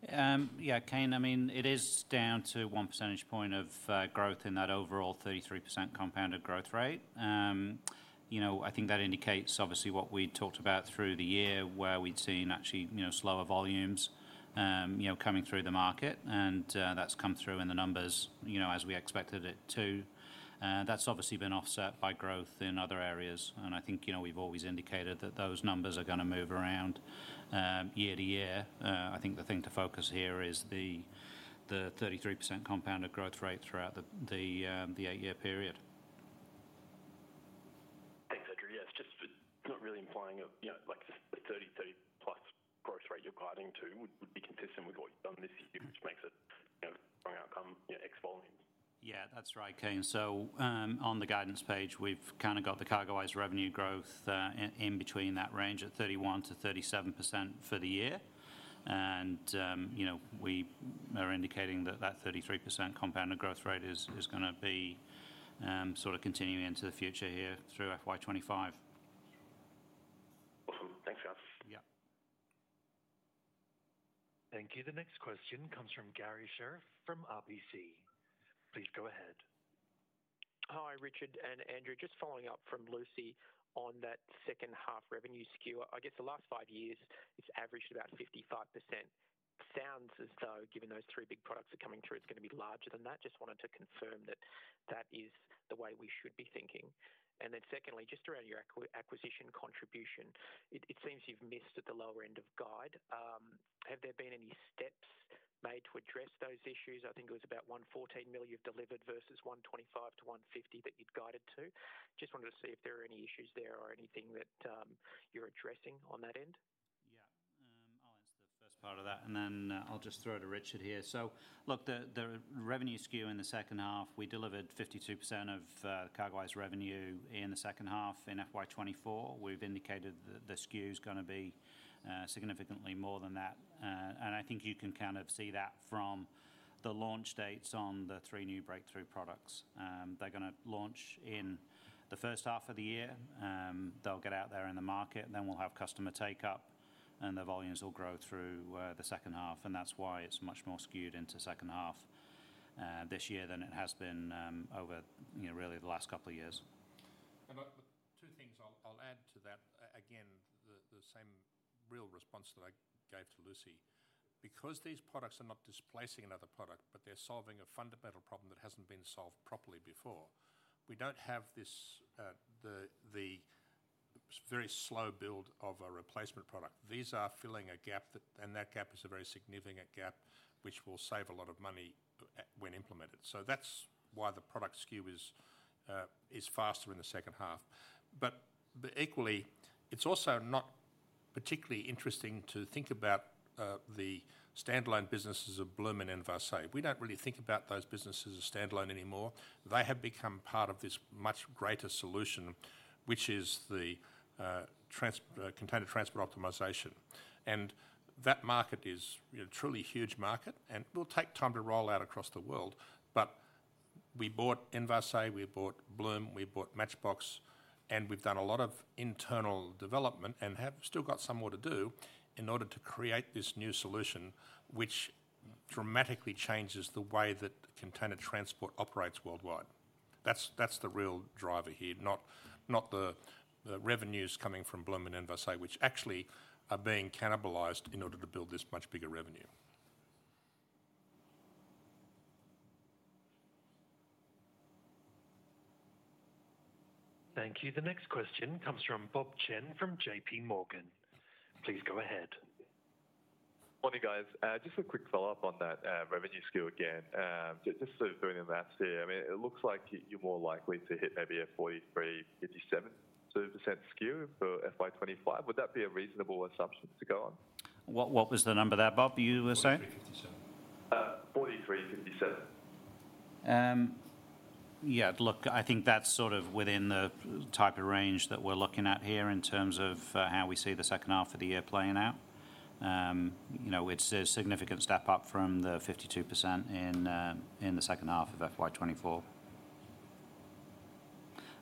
Yeah, Kane, I mean, it is down to one percentage point of growth in that overall 33% compounded growth rate. You know, I think that indicates obviously what we talked about through the year, where we'd seen actually, you know, slower volumes, you know, coming through the market, and, that's come through in the numbers, you know, as we expected it to. That's obviously been offset by growth in other areas, and I think, you know, we've always indicated that those numbers are gonna move around, year to year. I think the thing to focus here is the 33% compounded growth rate throughout the eight-year period. Thanks, Andrew. Yeah, it's just, it's not really implying a, you know, like, the thirty-three plus growth rate you're guiding to would be consistent with what you've done this year, which makes it, you know, strong outcome, yeah, ex-volume. Yeah, that's right, Kane. So, on the guidance page, we've kind of got the CargoWise revenue growth in between that range of 31%-37% for the year. And you know, we are indicating that the 33% compounded growth rate is gonna be sort of continuing into the future here through FY 2025. Awesome. Thanks, guys. Yeah. Thank you. The next question comes from Garry Sheriff from RBC. Please go ahead. Hi, Richard and Andrew. Just following up from Lucy on that second half revenue skew. I guess the last five years, it's averaged about 55%. Sounds as though, given those three big products are coming through, it's gonna be larger than that. Just wanted to confirm that that is the way we should be thinking. And then secondly, just around your acquisition contribution, it seems you've missed at the lower end of guide. Have there been any steps made to address those issues? I think it was about 114 million you've delivered versus 125 million-150 million that you'd guided to. Just wanted to see if there are any issues there or anything that you're addressing on that end? ...just part of that, and then, I'll just throw it to Richard here. So look, the, the revenue skew in the second half, we delivered 52% of CargoWise revenue in the second half in FY 2024. We've indicated that the skew is gonna be significantly more than that. And I think you can kind of see that from the launch dates on the three new breakthrough products. They're gonna launch in the first half of the year. They'll get out there in the market, and then we'll have customer take up, and the volumes will grow through the second half, and that's why it's much more skewed into second half this year than it has been over, you know, really the last couple of years. Two things I'll add to that. Again, the same real response that I gave to Lucy, because these products are not displacing another product, but they're solving a fundamental problem that hasn't been solved properly before. We don't have this, the very slow build of a replacement product. These are filling a gap that, and that gap is a very significant gap, which will save a lot of money when implemented. So that's why the product skew is faster in the second half. But equally, it's also not particularly interesting to think about the standalone businesses of Blume and Envase. We don't really think about those businesses as standalone anymore. They have become part of this much greater solution, which is the Container Transport Optimization. That market is, you know, truly huge market and will take time to roll out across the world. But we bought Envase, we bought Blume, we bought MatchBox, and we've done a lot of internal development and have still got some more to do in order to create this new solution, which dramatically changes the way that container transport operates worldwide. That's the real driver here, not the revenues coming from Blume and Envase, which actually are being cannibalized in order to build this much bigger revenue. Thank you. The next question comes from Bob Chen from JPMorgan. Please go ahead. Morning, guys. Just a quick follow-up on that, revenue skew again. Just sort of doing the math here. I mean, it looks like you're more likely to hit maybe a 43%-57% skew for FY 2025. Would that be a reasonable assumption to go on? What was the number there, Bob, you were saying? 43%-57% Yeah, look, I think that's sort of within the type of range that we're looking at here in terms of how we see the second half of the year playing out. You know, it's a significant step up from the 52% in the second half of FY 2024.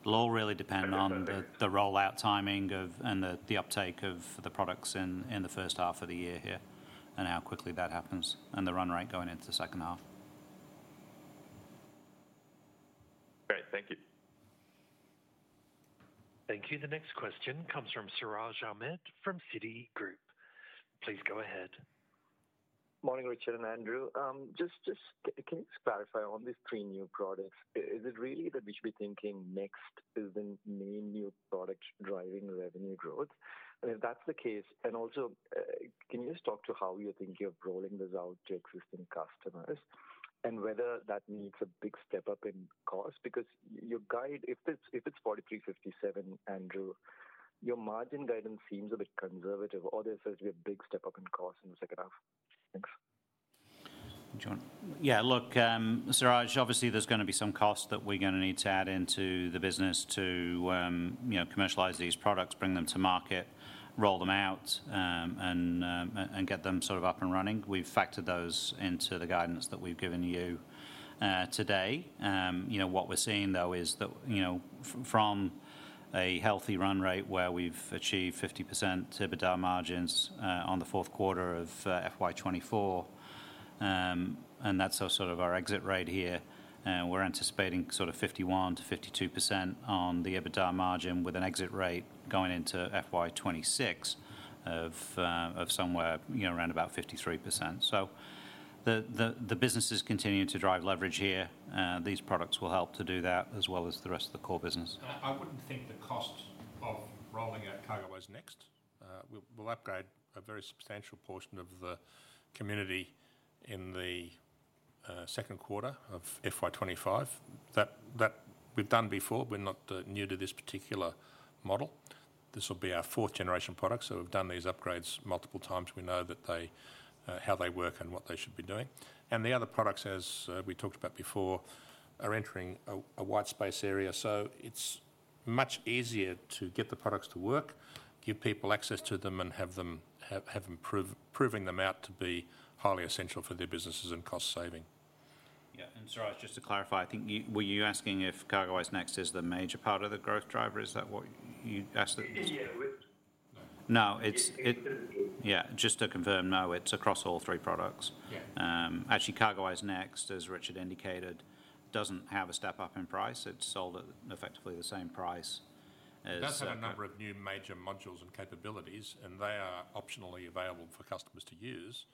It'll all really depend on- the rollout timing and the uptake of the products in the first half of the year here, and how quickly that happens, and the run rate going into the second half. Great. Thank you. Thank you. The next question comes from Siraj Ahmed from Citi. Please go ahead. Morning, Richard and Andrew. Just, can you just clarify on these three new products? Is it really that we should be thinking Next is the main new product driving revenue growth? And if that's the case, and also, can you just talk to how you're thinking of rolling this out to existing customers and whether that needs a big step-up in cost? Because your guide, if it's 43%-57%, Andrew, your margin guidance seems a bit conservative, or there seems to be a big step-up in cost in the second half. Thanks. Do you want? Yeah, look, Siraj, obviously, there's gonna be some cost that we're gonna need to add into the business to, you know, commercialize these products, bring them to market, roll them out, and get them sort of up and running. We've factored those into the guidance that we've given you today. You know, what we're seeing, though, is that, you know, from a healthy run rate where we've achieved 50% EBITDA margins on the fourth quarter of FY 2024, and that's sort of our exit rate here. We're anticipating sort of 51%-52% on the EBITDA margin, with an exit rate going into FY 2026 of somewhere, you know, around about 53%. So the business is continuing to drive leverage here. These products will help to do that, as well as the rest of the core business. I wouldn't think the cost of rolling out CargoWise Next. We'll upgrade a very substantial portion of the community in the second quarter of FY 2025. That we've done before. We're not new to this particular model. This will be our fourth generation product, so we've done these upgrades multiple times. We know how they work and what they should be doing. And the other products, as we talked about before, are entering a white space area. So it's much easier to get the products to work, give people access to them, and have them proving them out to be highly essential for their businesses and cost saving. Yeah, and Siraj, just to clarify, I think you were you asking if CargoWise Next is the major part of the growth driver? Is that what you asked? Yeah, yeah, with- No, it's, it- With- Yeah, just to confirm, no, it's across all three products. Yeah. Actually, CargoWise Next, as Richard indicated, doesn't have a step up in price. It's sold at effectively the same price as- It does have a number of new major modules and capabilities, and they are optionally available for customers to use.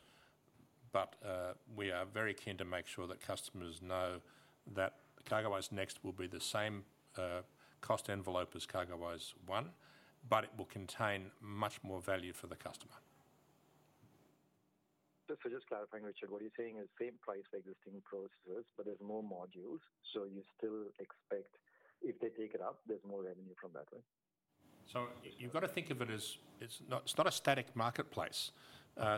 But, we are very keen to make sure that customers know that CargoWise Next will be the same cost envelope as CargoWise One, but it will contain much more value for the customer. Just for clarifying, Richard, what you're saying is same price for existing processes, but there's more modules, so you still expect if they take it up, there's more revenue from that, right? So you've got to think of it as it's not a static marketplace.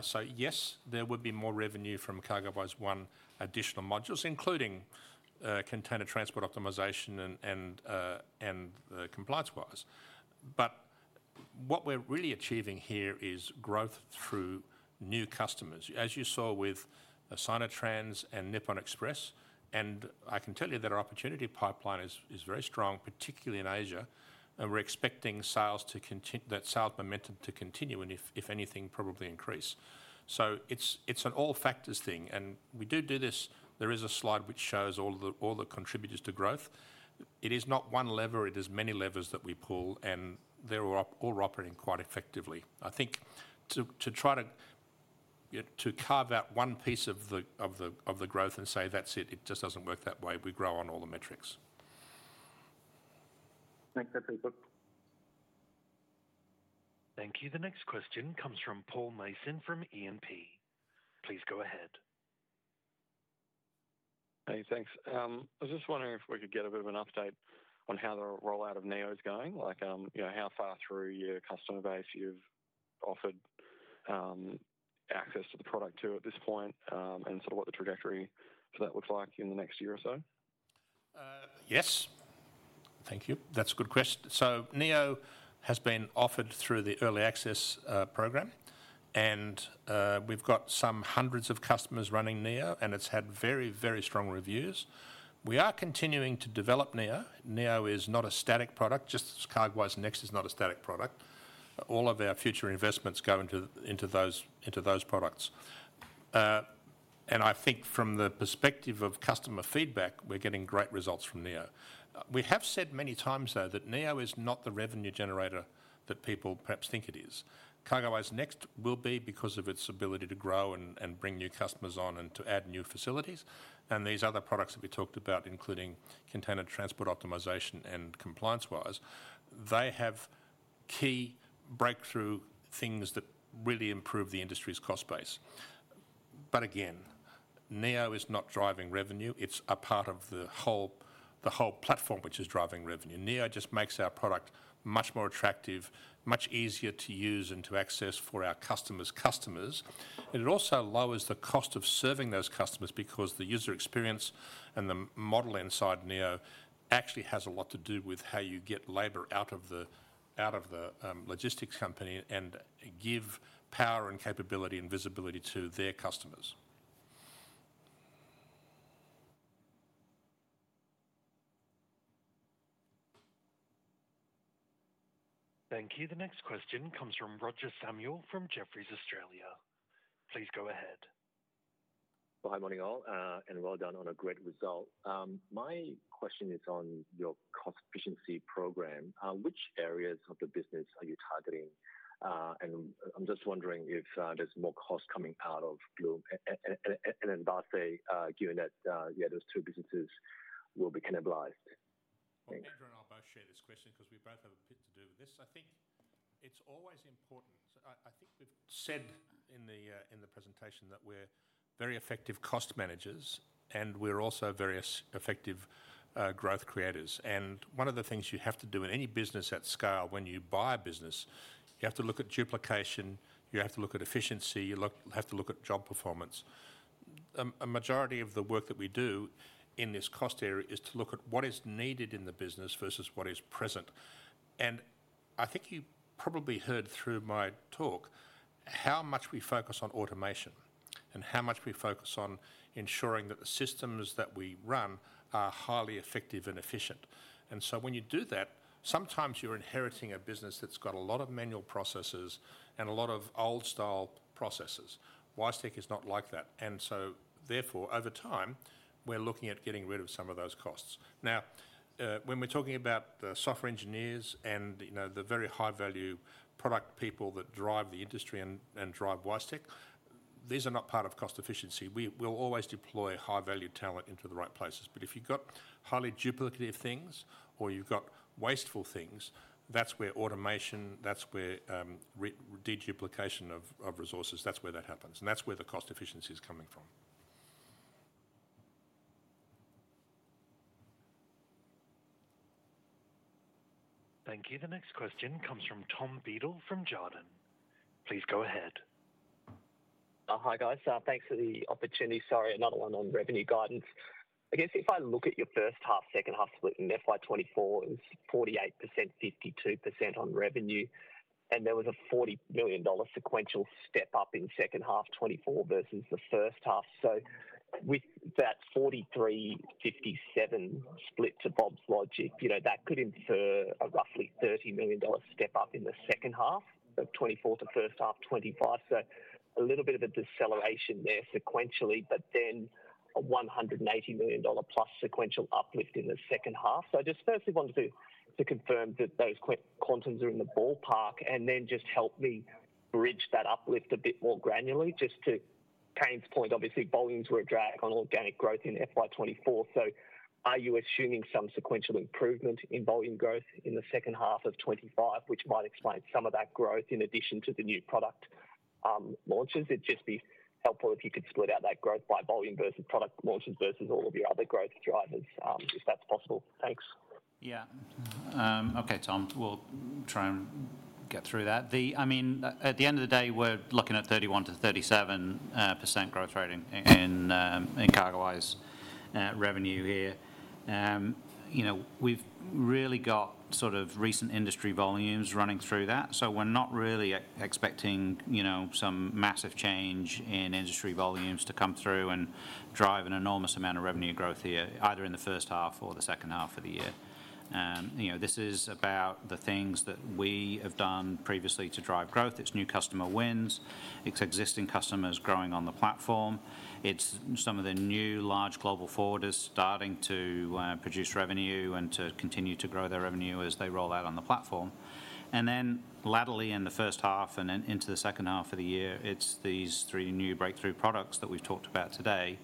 So yes, there would be more revenue from CargoWise One additional modules, including Container Transport Optimization and the ComplianceWise. But what we're really achieving here is growth through new customers, as you saw with Sinotrans and Nippon Express. I can tell you that our opportunity pipeline is very strong, particularly in Asia, and we're expecting that sales momentum to continue and if anything, probably increase. It's an all factors thing, and we do this. There is a slide which shows all the contributors to growth. It is not one lever, it is many levers that we pull, and they're all operating quite effectively. I think to try to, yeah, to carve out one piece of the growth and say, "That's it," it just doesn't work that way. We grow on all the metrics. Thanks. Thank you. The next question comes from Paul Mason from E&P. Please go ahead. Hey, thanks. I was just wondering if we could get a bit of an update on how the rollout of Neo is going. Like, you know, how far through your customer base you've offered access to the product to at this point, and sort of what the trajectory for that looks like in the next year or so? Yes. Thank you. That's a good question. So Neo has been offered through the early access program, and we've got some hundreds of customers running Neo, and it's had very, very strong reviews. We are continuing to develop Neo. Neo is not a static product, just as CargoWise Next is not a static product. All of our future investments go into those products. And I think from the perspective of customer feedback, we're getting great results from Neo. We have said many times, though, that Neo is not the revenue generator that people perhaps think it is. CargoWise Next will be because of its ability to grow and bring new customers on and to add new facilities, and these other products that we talked about, including Container Transport Optimization and ComplianceWise. They have key breakthrough things that really improve the industry's cost base. But again, Neo is not driving revenue. It's a part of the whole platform, which is driving revenue. Neo just makes our product much more attractive, much easier to use and to access for our customers' customers. It also lowers the cost of serving those customers because the user experience and the model inside Neo actually has a lot to do with how you get labor out of the logistics company and give power and capability and visibility to their customers. Thank you. The next question comes from Roger Samuel, from Jefferies Australia. Please go ahead. Well, hi, morning all, and well done on a great result. My question is on your cost efficiency program. Which areas of the business are you targeting? And I'm just wondering if there's more cost coming out of Blume, and Envase, given that, yeah, those two businesses will be cannibalized. Thanks. Well, Andrew and I both share this question because we both have a bit to do with this. I think it's always important. I think we've said in the presentation that we're very effective cost managers, and we're also very effective growth creators. And one of the things you have to do in any business at scale, when you buy a business, you have to look at duplication, you have to look at efficiency, you have to look at job performance. A majority of the work that we do in this cost area is to look at what is needed in the business versus what is present. And I think you probably heard through my talk how much we focus on automation and how much we focus on ensuring that the systems that we run are highly effective and efficient. And so when you do that, sometimes you're inheriting a business that's got a lot of manual processes and a lot of old-style processes. WiseTech is not like that. And so therefore, over time, we're looking at getting rid of some of those costs. Now, when we're talking about the software engineers and, you know, the very high-value product people that drive the industry and drive WiseTech, these are not part of cost efficiency. We will always deploy high-value talent into the right places. But if you've got highly duplicative things or you've got wasteful things, that's where automation, that's where de-duplication of resources, that's where that happens, and that's where the cost efficiency is coming from. Thank you. The next question comes from Tom Beadle, from Jarden. Please go ahead. Hi, guys. Thanks for the opportunity. Sorry, another one on revenue guidance. I guess if I look at your first half, second half split in FY 2024, it was 48%, 52% on revenue, and there was a 40 million dollar sequential step up in second half 2024 versus the first half. So with that 43%-57% split to Bob's logic, you know, that could infer a roughly 30 million dollars step up in the second half of 2024 to first half 2025. So a little bit of a deceleration there sequentially, but then a 180 million dollar plus sequential uplift in the second half. So I just firstly wanted to confirm that those quantums are in the ballpark, and then just help me bridge that uplift a bit more granularly. Just to Kane's point, obviously, volumes were a drag on organic growth in FY 2024. So are you assuming some sequential improvement in volume growth in the second half of 2025, which might explain some of that growth in addition to the new product launches? It'd just be helpful if you could split out that growth by volume versus product launches versus all of your other growth drivers, if that's possible. Thanks. Yeah. Okay, Tom, we'll try and get through that. I mean, at the end of the day, we're looking at 31%-37% growth rate in CargoWise revenue here. You know, we've really got sort of recent industry volumes running through that, so we're not really expecting, you know, some massive change in industry volumes to come through and drive an enormous amount of revenue growth here, either in the first half or the second half of the year. You know, this is about the things that we have done previously to drive growth. It's new customer wins. It's existing customers growing on the platform. It's some of the new large global forwarders starting to produce revenue and to continue to grow their revenue as they roll out on the platform. And then laterally in the first half and then into the second half of the year, it's these three new breakthrough products that we've talked about today,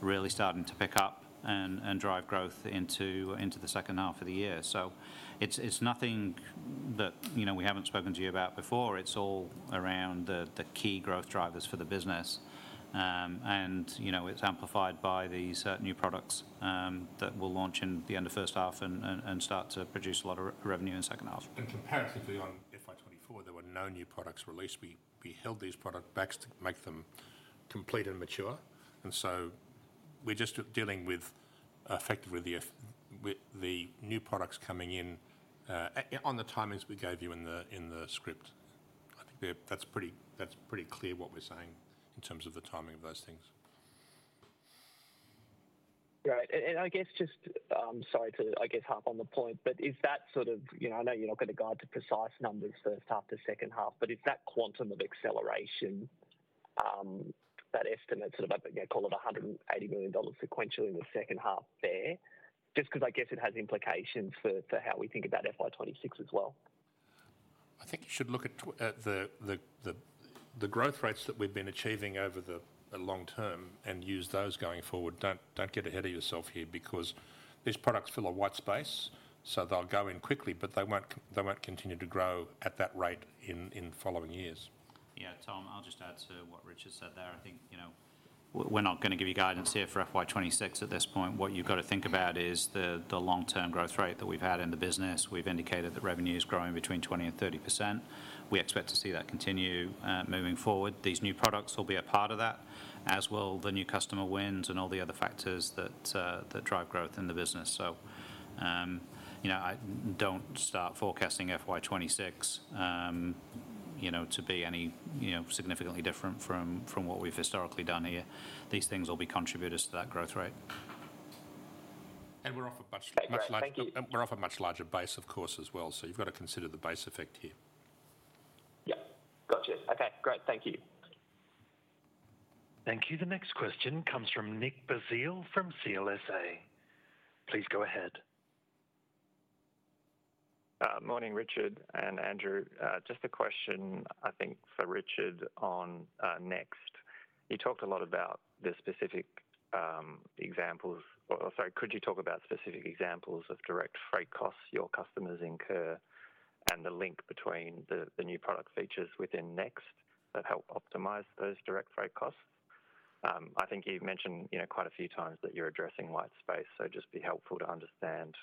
really starting to pick up and drive growth into the second half of the year. So it's nothing that, you know, we haven't spoken to you about before. It's all around the key growth drivers for the business. And you know, it's amplified by these new products that we'll launch in the end of first half and start to produce a lot of revenue in second half. Comparatively, on FY 2024, there were no new products released. We held these product backs to make them complete and mature, and so we're just dealing with, effectively, with the new products coming in on the timings we gave you in the script. I think that's pretty clear what we're saying in terms of the timing of those things. Great. And I guess just, sorry to, I guess, harp on the point, but is that sort of, you know, I know you're not going to go into precise numbers first half to second half, but is that quantum of acceleration, that estimate, sort of up, call it 180 million dollars sequentially in the second half there? Just 'cause I guess it has implications for, for how we think about FY 2026 as well. I think you should look at the growth rates that we've been achieving over the long term and use those going forward. Don't get ahead of yourself here, because these products fill a white space, so they'll go in quickly, but they won't continue to grow at that rate in the following years. Yeah, Tom, I'll just add to what Richard said there. I think, you know, we're not going to give you guidance here for FY 2026 at this point. What you've got to think about is the long-term growth rate that we've had in the business. We've indicated that revenue is growing between 20% and 30%. We expect to see that continue moving forward. These new products will be a part of that, as will the new customer wins and all the other factors that drive growth in the business. So, you know, don't start forecasting FY 2026, you know, to be any significantly different from what we've historically done here. These things will be contributors to that growth rate. We're off to a much, much larger- Great, thank you. We're off a much larger base, of course, as well, so you've got to consider the base effect here. Yeah. Gotcha. Okay, great. Thank you. Thank you. The next question comes from Nick Basile from CLSA. Please go ahead. Morning, Richard and Andrew. Just a question, I think for Richard, on Next. You talked a lot about the specific examples. Or sorry, could you talk about specific examples of direct freight costs your customers incur, and the link between the new product features within Next that help optimize those direct freight costs? I think you've mentioned, you know, quite a few times that you're addressing white space, so just be helpful to understand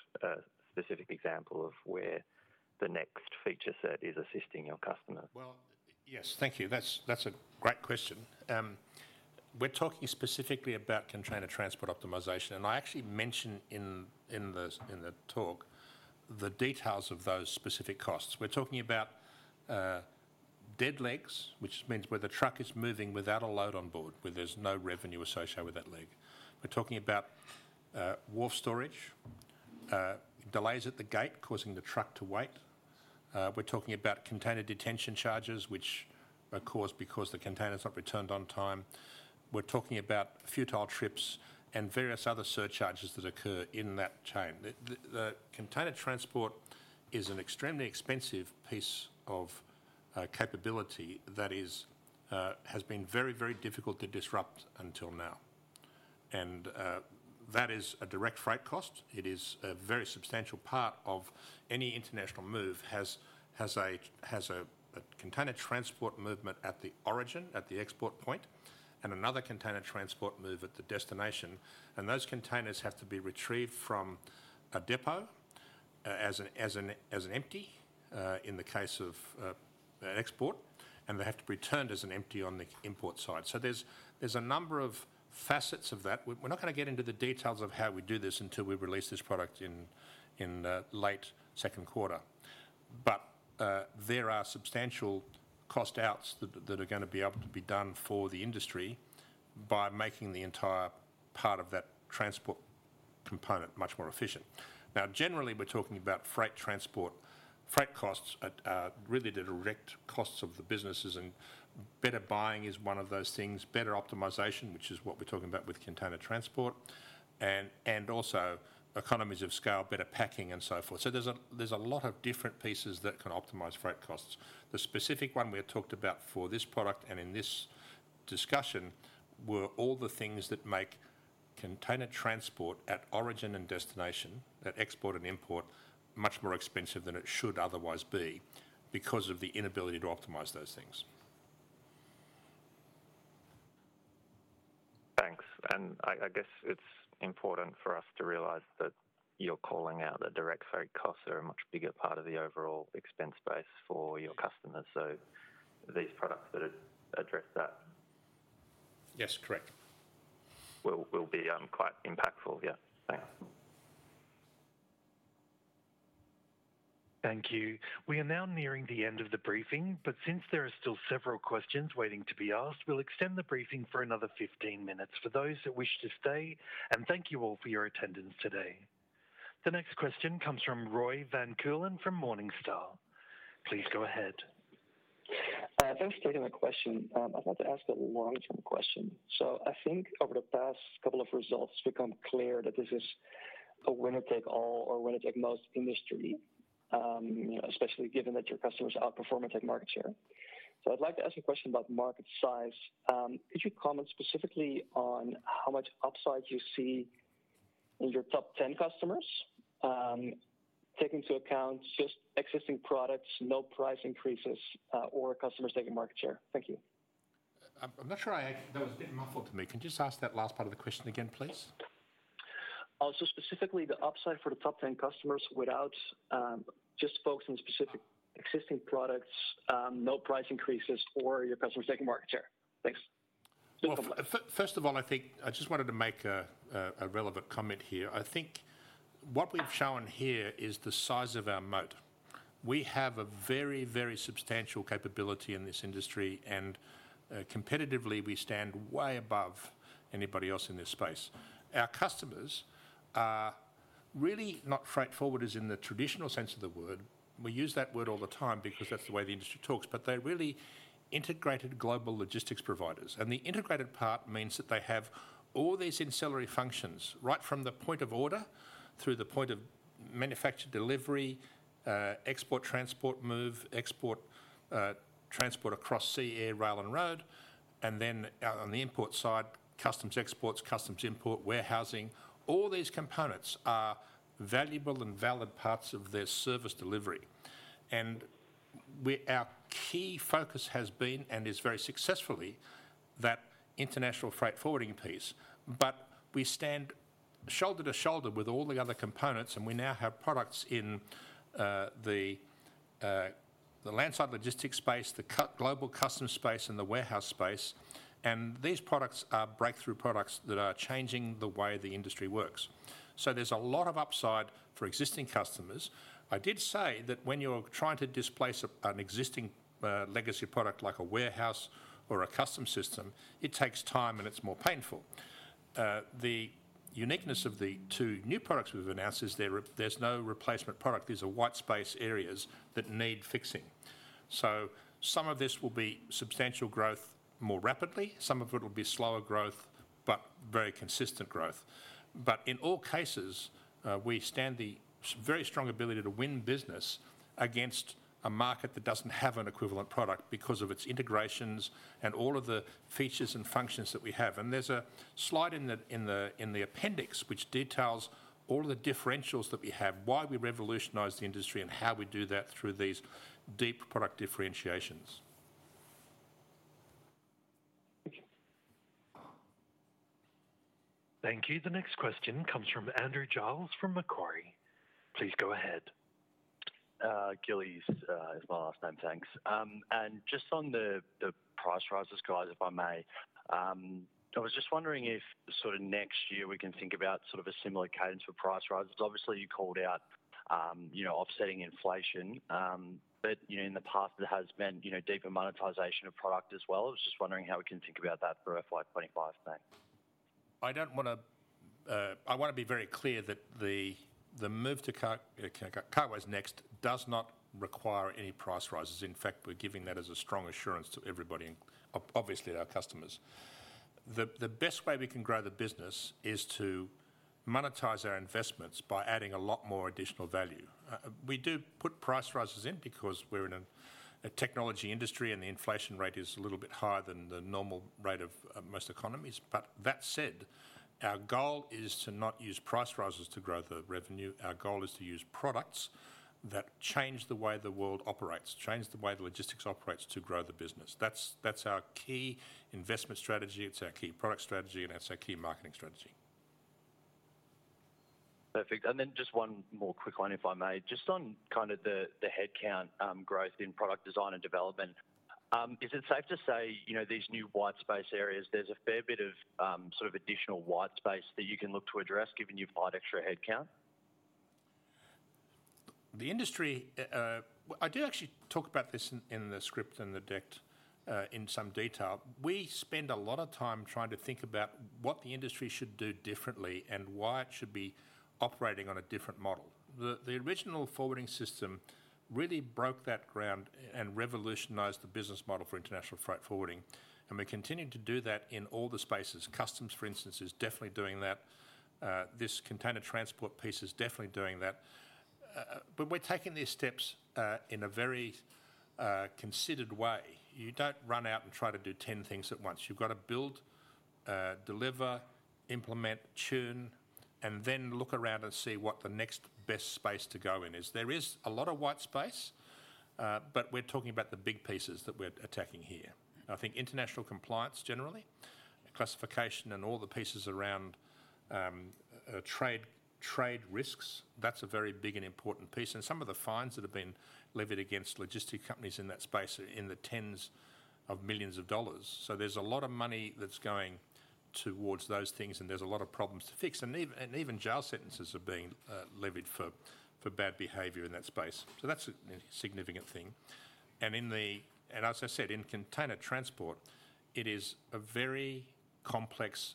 a specific example of where the Next feature set is assisting your customers. Yes. Thank you. That's a great question. We're talking specifically about Container Transport Optimization, and I actually mentioned in the talk the details of those specific costs. We're talking about dead legs, which means where the truck is moving without a load on board, where there's no revenue associated with that leg. We're talking about wharf storage, delays at the gate causing the truck to wait. We're talking about container detention charges, which are caused because the container's not returned on time. We're talking about futile trips and various other surcharges that occur in that chain. The container transport is an extremely expensive piece of capability that is has been very, very difficult to disrupt until now. And that is a direct freight cost. It is a very substantial part of any international move, has a container transport movement at the origin, at the export point, and another container transport move at the destination. And those containers have to be retrieved from a depot as an empty in the case of an export, and they have to be returned as an empty on the import side. So there's a number of facets of that. We're not going to get into the details of how we do this until we release this product in late second quarter. But there are substantial cost outs that are going to be able to be done for the industry by making the entire part of that transport component much more efficient. Now, generally, we're talking about freight transport. Freight costs are really the direct costs of the businesses, and better buying is one of those things. Better optimization, which is what we're talking about with container transport, and also economies of scale, better packing, and so forth. So there's a lot of different pieces that can optimize freight costs. The specific one we had talked about for this product and in this discussion were all the things that make container transport at origin and destination, at export and import, much more expensive than it should otherwise be because of the inability to optimize those things. Thanks, and I guess it's important for us to realize that you're calling out the direct freight costs are a much bigger part of the overall expense base for your customers, so these products that address that? Yes, correct. will be quite impactful. Yeah. Thanks. Thank you. We are now nearing the end of the briefing, but since there are still several questions waiting to be asked, we'll extend the briefing for another fifteen minutes for those that wish to stay, and thank you all for your attendance today. The next question comes from Roy Van Keulen from Morningstar. Please go ahead. Thanks for taking my question. I'd like to ask a long-term question. So I think over the past couple of results, it's become clear that this is a winner-take-all or winner-take-most industry. Especially given that your customers are performing at market share. So I'd like to ask a question about market size. Could you comment specifically on how much upside you see in your top ten customers, take into account just existing products, no price increases, or customers taking market share? Thank you. I'm not sure I. That was a bit muffled to me. Can you just ask that last part of the question again, please? So specifically, the upside for the top 10 customers without just focusing on specific existing products, no price increases or your customers taking market share. Thanks. First of all, I think I just wanted to make a relevant comment here. I think what we've shown here is the size of our moat. We have a very, very substantial capability in this industry, and competitively, we stand way above anybody else in this space. Our customers are really not freight forwarders in the traditional sense of the word. We use that word all the time because that's the way the industry talks, but they're really integrated global logistics providers. The integrated part means that they have all these ancillary functions, right from the point of order through the point of manufacture, delivery, export, transport, move, export, transport across sea, air, rail, and road, and then out on the import side, customs exports, customs import, warehousing. All these components are valuable and valid parts of their service delivery. And our key focus has been, and is very successfully, that international freight forwarding piece. But we stand shoulder to shoulder with all the other components, and we now have products in the landside logistics space, the global customs space, and the warehouse space, and these products are breakthrough products that are changing the way the industry works. So there's a lot of upside for existing customers. I did say that when you're trying to displace an existing legacy product like a warehouse or a customs system, it takes time, and it's more painful. The uniqueness of the two new products we've announced is there, there's no replacement product. These are white space areas that need fixing. So some of this will be substantial growth more rapidly, some of it will be slower growth, but very consistent growth. But in all cases, we have a very strong ability to win business against a market that doesn't have an equivalent product because of its integrations and all of the features and functions that we have. And there's a slide in the appendix which details all of the differentials that we have, why we revolutionized the industry, and how we do that through these deep product differentiations. Thank you. Thank you. The next question comes from Andrew Wial, from Macquarie. Please go ahead. Giles is my last name. Thanks. And just on the price rises, guys, if I may, I was just wondering if sort of next year we can think about sort of a similar cadence for price rises. Obviously, you called out, you know, offsetting inflation, but you know, in the past it has been, you know, deeper monetization of product as well. I was just wondering how we can think about that for FY 2025, thanks. I don't wanna. I wanna be very clear that the move to CargoWise Next does not require any price rises. In fact, we're giving that as a strong assurance to everybody and obviously, our customers. The best way we can grow the business is to monetize our investments by adding a lot more additional value. We do put price rises in because we're in a technology industry, and the inflation rate is a little bit higher than the normal rate of most economies. But that said, our goal is to not use price rises to grow the revenue. Our goal is to use products that change the way the world operates, change the way the logistics operates to grow the business. That's our key investment strategy, it's our key product strategy, and it's our key marketing strategy. Perfect. And then just one more quick one, if I may. Just on kind of the headcount growth in product design and development, is it safe to say, you know, these new white space areas, there's a fair bit of sort of additional white space that you can look to address, given you've hired extra headcount? The industry. I do actually talk about this in the script and the deck in some detail. We spend a lot of time trying to think about what the industry should do differently and why it should be operating on a different model. The original forwarding system really broke that ground and revolutionized the business model for international freight forwarding, and we're continuing to do that in all the spaces. Customs, for instance, is definitely doing that. This container transport piece is definitely doing that. But we're taking these steps in a very considered way. You don't run out and try to do 10 things at once. You've got to build, deliver, implement, tune, and then look around and see what the next best space to go in is. There is a lot of white space, but we're talking about the big pieces that we're attacking here. I think international compliance, generally, classification and all the pieces around trade risks, that's a very big and important piece, and some of the fines that have been levied against logistics companies in that space are in the tens of millions of dollars. So there's a lot of money that's going towards those things, and there's a lot of problems to fix. Even jail sentences are being levied for bad behavior in that space. That's a significant thing. As I said, in container transport, it is a very complex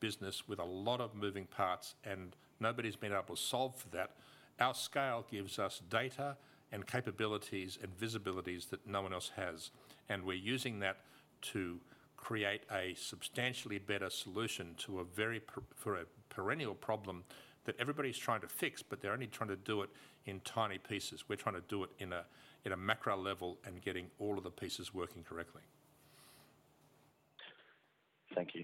business with a lot of moving parts, and nobody's been able to solve for that. Our scale gives us data and capabilities and visibilities that no one else has, and we're using that to create a substantially better solution to a very perennial problem that everybody's trying to fix, but they're only trying to do it in tiny pieces. We're trying to do it in a macro level and getting all of the pieces working correctly. Thank you.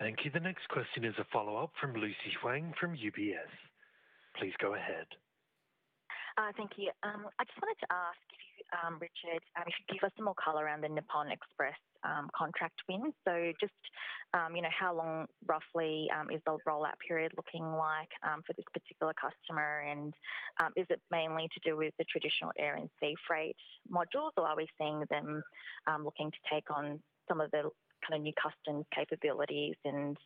Thank you. The next question is a follow-up from Lucy Huang from UBS. Please go ahead. Thank you. I just wanted to ask you, Richard, if you could give us some more color around the Nippon Express contract win. So just, you know, how long roughly is the rollout period looking like for this particular customer? And, is it mainly to do with the traditional air and sea freight modules, or are we seeing them looking to take on some of the kind of new customs capabilities and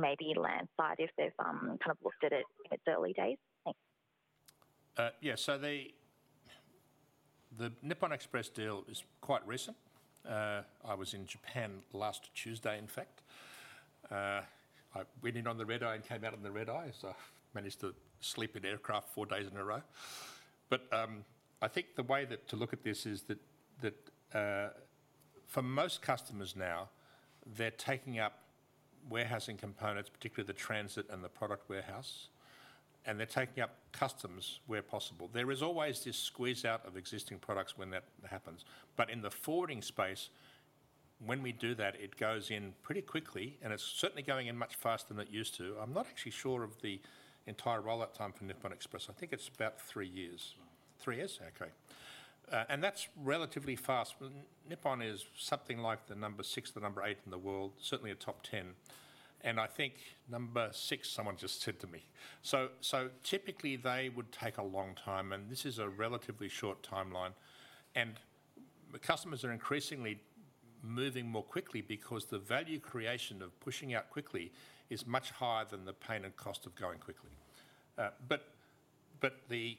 maybe landside if they've kind of looked at it in its early days? Thanks. Yeah, so the Nippon Express deal is quite recent. I was in Japan last Tuesday, in fact. I went in on the red-eye and came out on the red-eye, so I managed to sleep in aircraft four days in a row. But I think the way that to look at this is that for most customers now, they're taking up warehousing components, particularly the transit and the product warehouse, and they're taking up customs where possible. There is always this squeeze-out of existing products when that happens. But in the forwarding space, when we do that, it goes in pretty quickly, and it's certainly going in much faster than it used to. I'm not actually sure of the entire rollout time for Nippon Express. I think it's about three years. Three years? Okay. And that's relatively fast. Nippon is something like the number six to number eight in the world, certainly a top ten, and I think number six, someone just said to me. So typically they would take a long time, and this is a relatively short timeline. And the customers are increasingly moving more quickly because the value creation of pushing out quickly is much higher than the pain and cost of going quickly. But the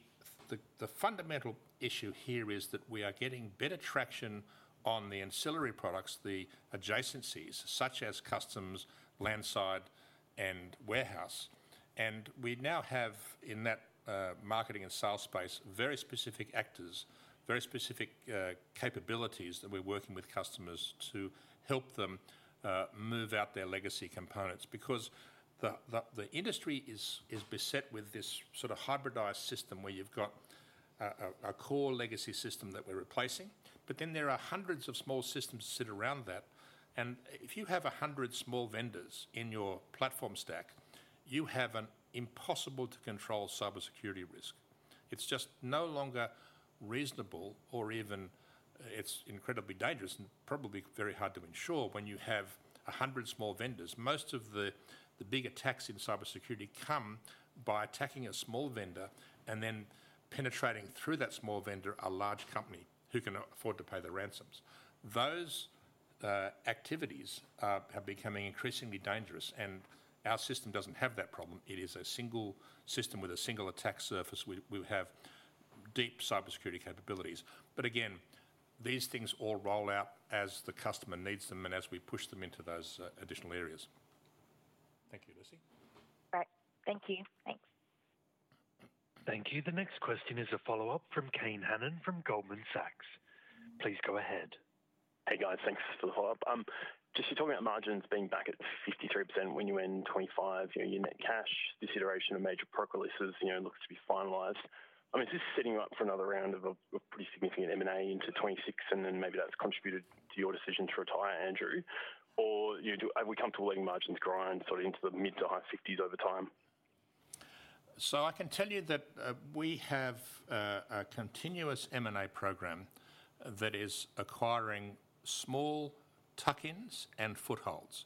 fundamental issue here is that we are getting better traction on the ancillary products, the adjacencies such as customs, landside, and warehouse. And we now have, in that, marketing and sales space, very specific actors, very specific capabilities, that we're working with customers to help them move out their legacy components. Because the industry is beset with this sort of hybridized system, where you've got a core legacy system that we're replacing, but then there are hundreds of small systems that sit around that. And if you have a hundred small vendors in your platform stack, you have an impossible-to-control cybersecurity risk. It's just no longer reasonable or even... It's incredibly dangerous and probably very hard to insure when you have a hundred small vendors. Most of the big attacks in cybersecurity come by attacking a small vendor and then penetrating through that small vendor, a large company who can afford to pay the ransoms. Those activities are becoming increasingly dangerous, and our system doesn't have that problem. It is a single system with a single attack surface. We have deep cybersecurity capabilities. But again, these things all roll out as the customer needs them and as we push them into those additional areas. Thank you, Lucy. All right. Thank you. Thanks. Thank you. The next question is a follow-up from Kane Hannan from Goldman Sachs. Please go ahead. Hey, guys. Thanks for the follow-up. Just you're talking about margins being back at 53% when you end 2025, your net cash, this iteration of major procure leases, you know, looks to be finalized. I mean, is this setting you up for another round of a pretty significant M&A into 2026, and then maybe that's contributed to your decision to retire, Andrew? Or are we comfortable letting margins grind sort of into the mid- to high-50s% over time? So I can tell you that, we have a continuous M&A program that is acquiring small tuck-ins and footholds.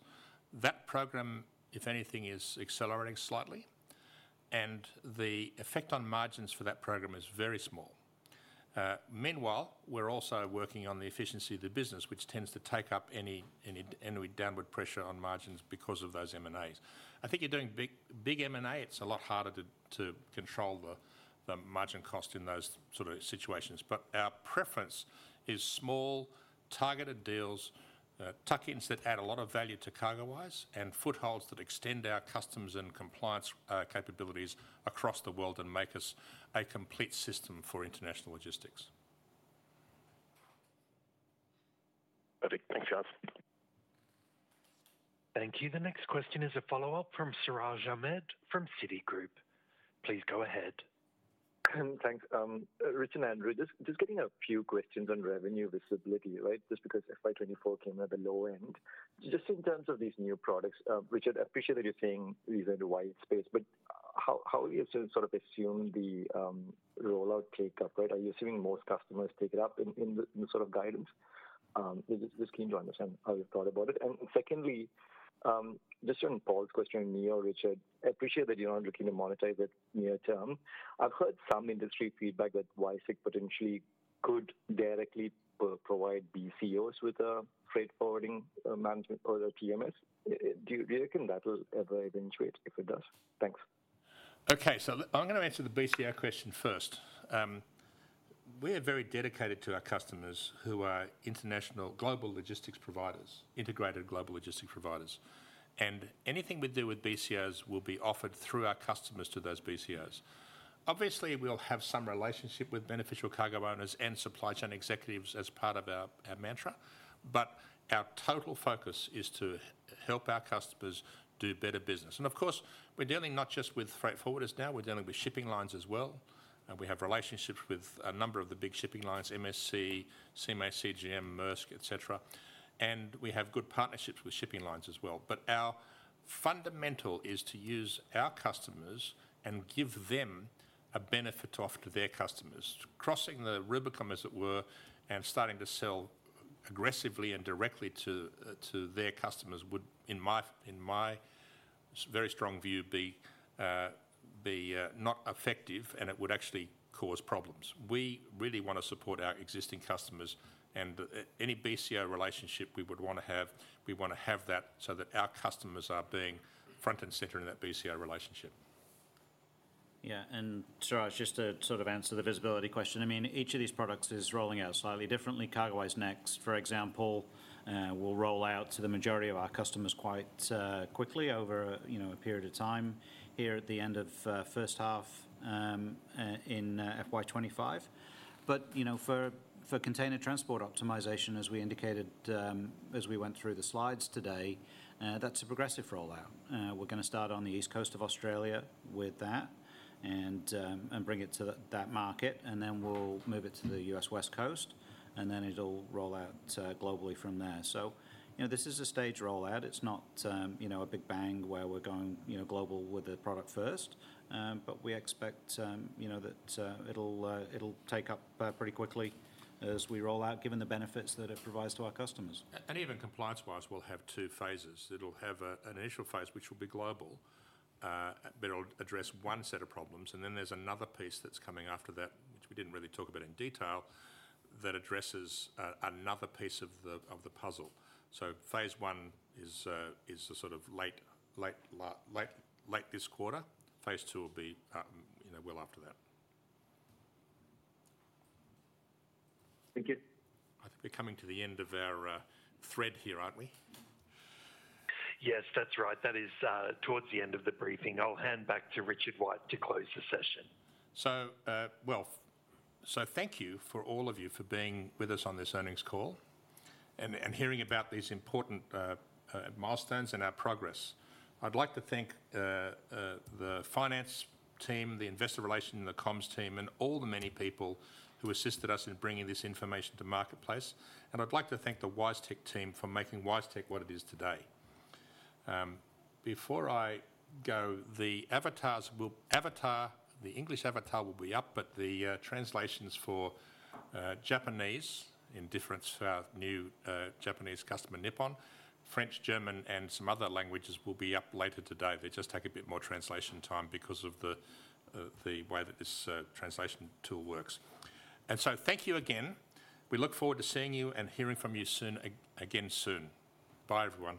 That program, if anything, is accelerating slightly, and the effect on margins for that program is very small. Meanwhile, we're also working on the efficiency of the business, which tends to take up any downward pressure on margins because of those M&As. I think you're doing big, big M&A, it's a lot harder to control the margin cost in those sort of situations. But our preference is small, targeted deals, tuck-ins that add a lot of value to CargoWise, and footholds that extend our customs and compliance capabilities across the world and make us a complete system for international logistics. Thank you. The next question is a follow-up from Siraj Ahmed from Citigroup. Please go ahead. Thanks, Richard and Andrew. Just getting a few questions on revenue visibility, right? Just in terms of these new products, Richard, I appreciate that you're saying these are the white space, but how will you sort of assume the rollout take up, right? Are you assuming most customers take it up in the sort of guidance? Just keen to understand how you've thought about it. And secondly, just on Paul's question on Neo, Richard, I appreciate that you're not looking to monetize it near term. I've heard some industry feedback that WiseTech potentially could directly provide BCOs with a freight forwarding management or a TMS. Do you reckon that will ever eventuate if it does? Thanks. Okay, so I'm gonna answer the BCO question first. We are very dedicated to our customers who are international global logistics providers, integrated global logistics providers, and anything we do with BCOs will be offered through our customers to those BCOs. Obviously, we'll have some relationship with beneficial cargo owners and supply chain executives as part of our, our mantra, but our total focus is to help our customers do better business, and of course, we're dealing not just with freight forwarders now, we're dealing with shipping lines as well, and we have relationships with a number of the big shipping lines MSC, CMA CGM, Maersk, et cetera, and we have good partnerships with shipping lines as well, but our fundamental is to use our customers and give them a benefit offer to their customers. Crossing the Rubicon, as it were, and starting to sell aggressively and directly to their customers would, in my very strong view, be not effective, and it would actually cause problems. We really want to support our existing customers, and any BCO relationship we would want to have, we want to have that so that our customers are being front and center in that BCO relationship. Yeah, and Siraj, just to sort of answer the visibility question, I mean, each of these products is rolling out slightly differently. CargoWise Next, for example, will roll out to the majority of our customers quite quickly over, you know, a period of time here at the end of first half in FY 2025. But, you know, for container transport optimization, as we indicated, as we went through the slides today, that's a progressive rollout. We're gonna start on the East Coast of Australia with that and bring it to that market, and then we'll move it to the US West Coast, and then it'll roll out globally from there. So, you know, this is a staged rollout. It's not, you know, a big bang where we're going global with the product first. But we expect, you know, that it'll take up pretty quickly as we roll out, given the benefits that it provides to our customers. And even ComplianceWise, we'll have two phases. It'll have a, an initial phase, which will be global, but it'll address one set of problems, and then there's another piece that's coming after that, which we didn't really talk about in detail, that addresses another piece of the puzzle. So phase one is the sort of late this quarter. Phase two will be, you know, well after that. Thank you. I think we're coming to the end of our thread here, aren't we? Yes, that's right. That is, towards the end of the briefing. I'll hand back to Richard White to close the session. Thank you for all of you for being with us on this earnings call and hearing about these important milestones and our progress. I'd like to thank the finance team, the investor relations, and the comms team, and all the many people who assisted us in bringing this information to marketplace, and I'd like to thank the WiseTech team for making WiseTech what it is today. Before I go, the avatar, the English avatar will be up, but the translations for Japanese, in deference to our new Japanese customer, Nippon, French, German, and some other languages will be up later today. They just take a bit more translation time because of the way that this translation tool works. Thank you again. We look forward to seeing you and hearing from you soon, again soon. Bye, everyone.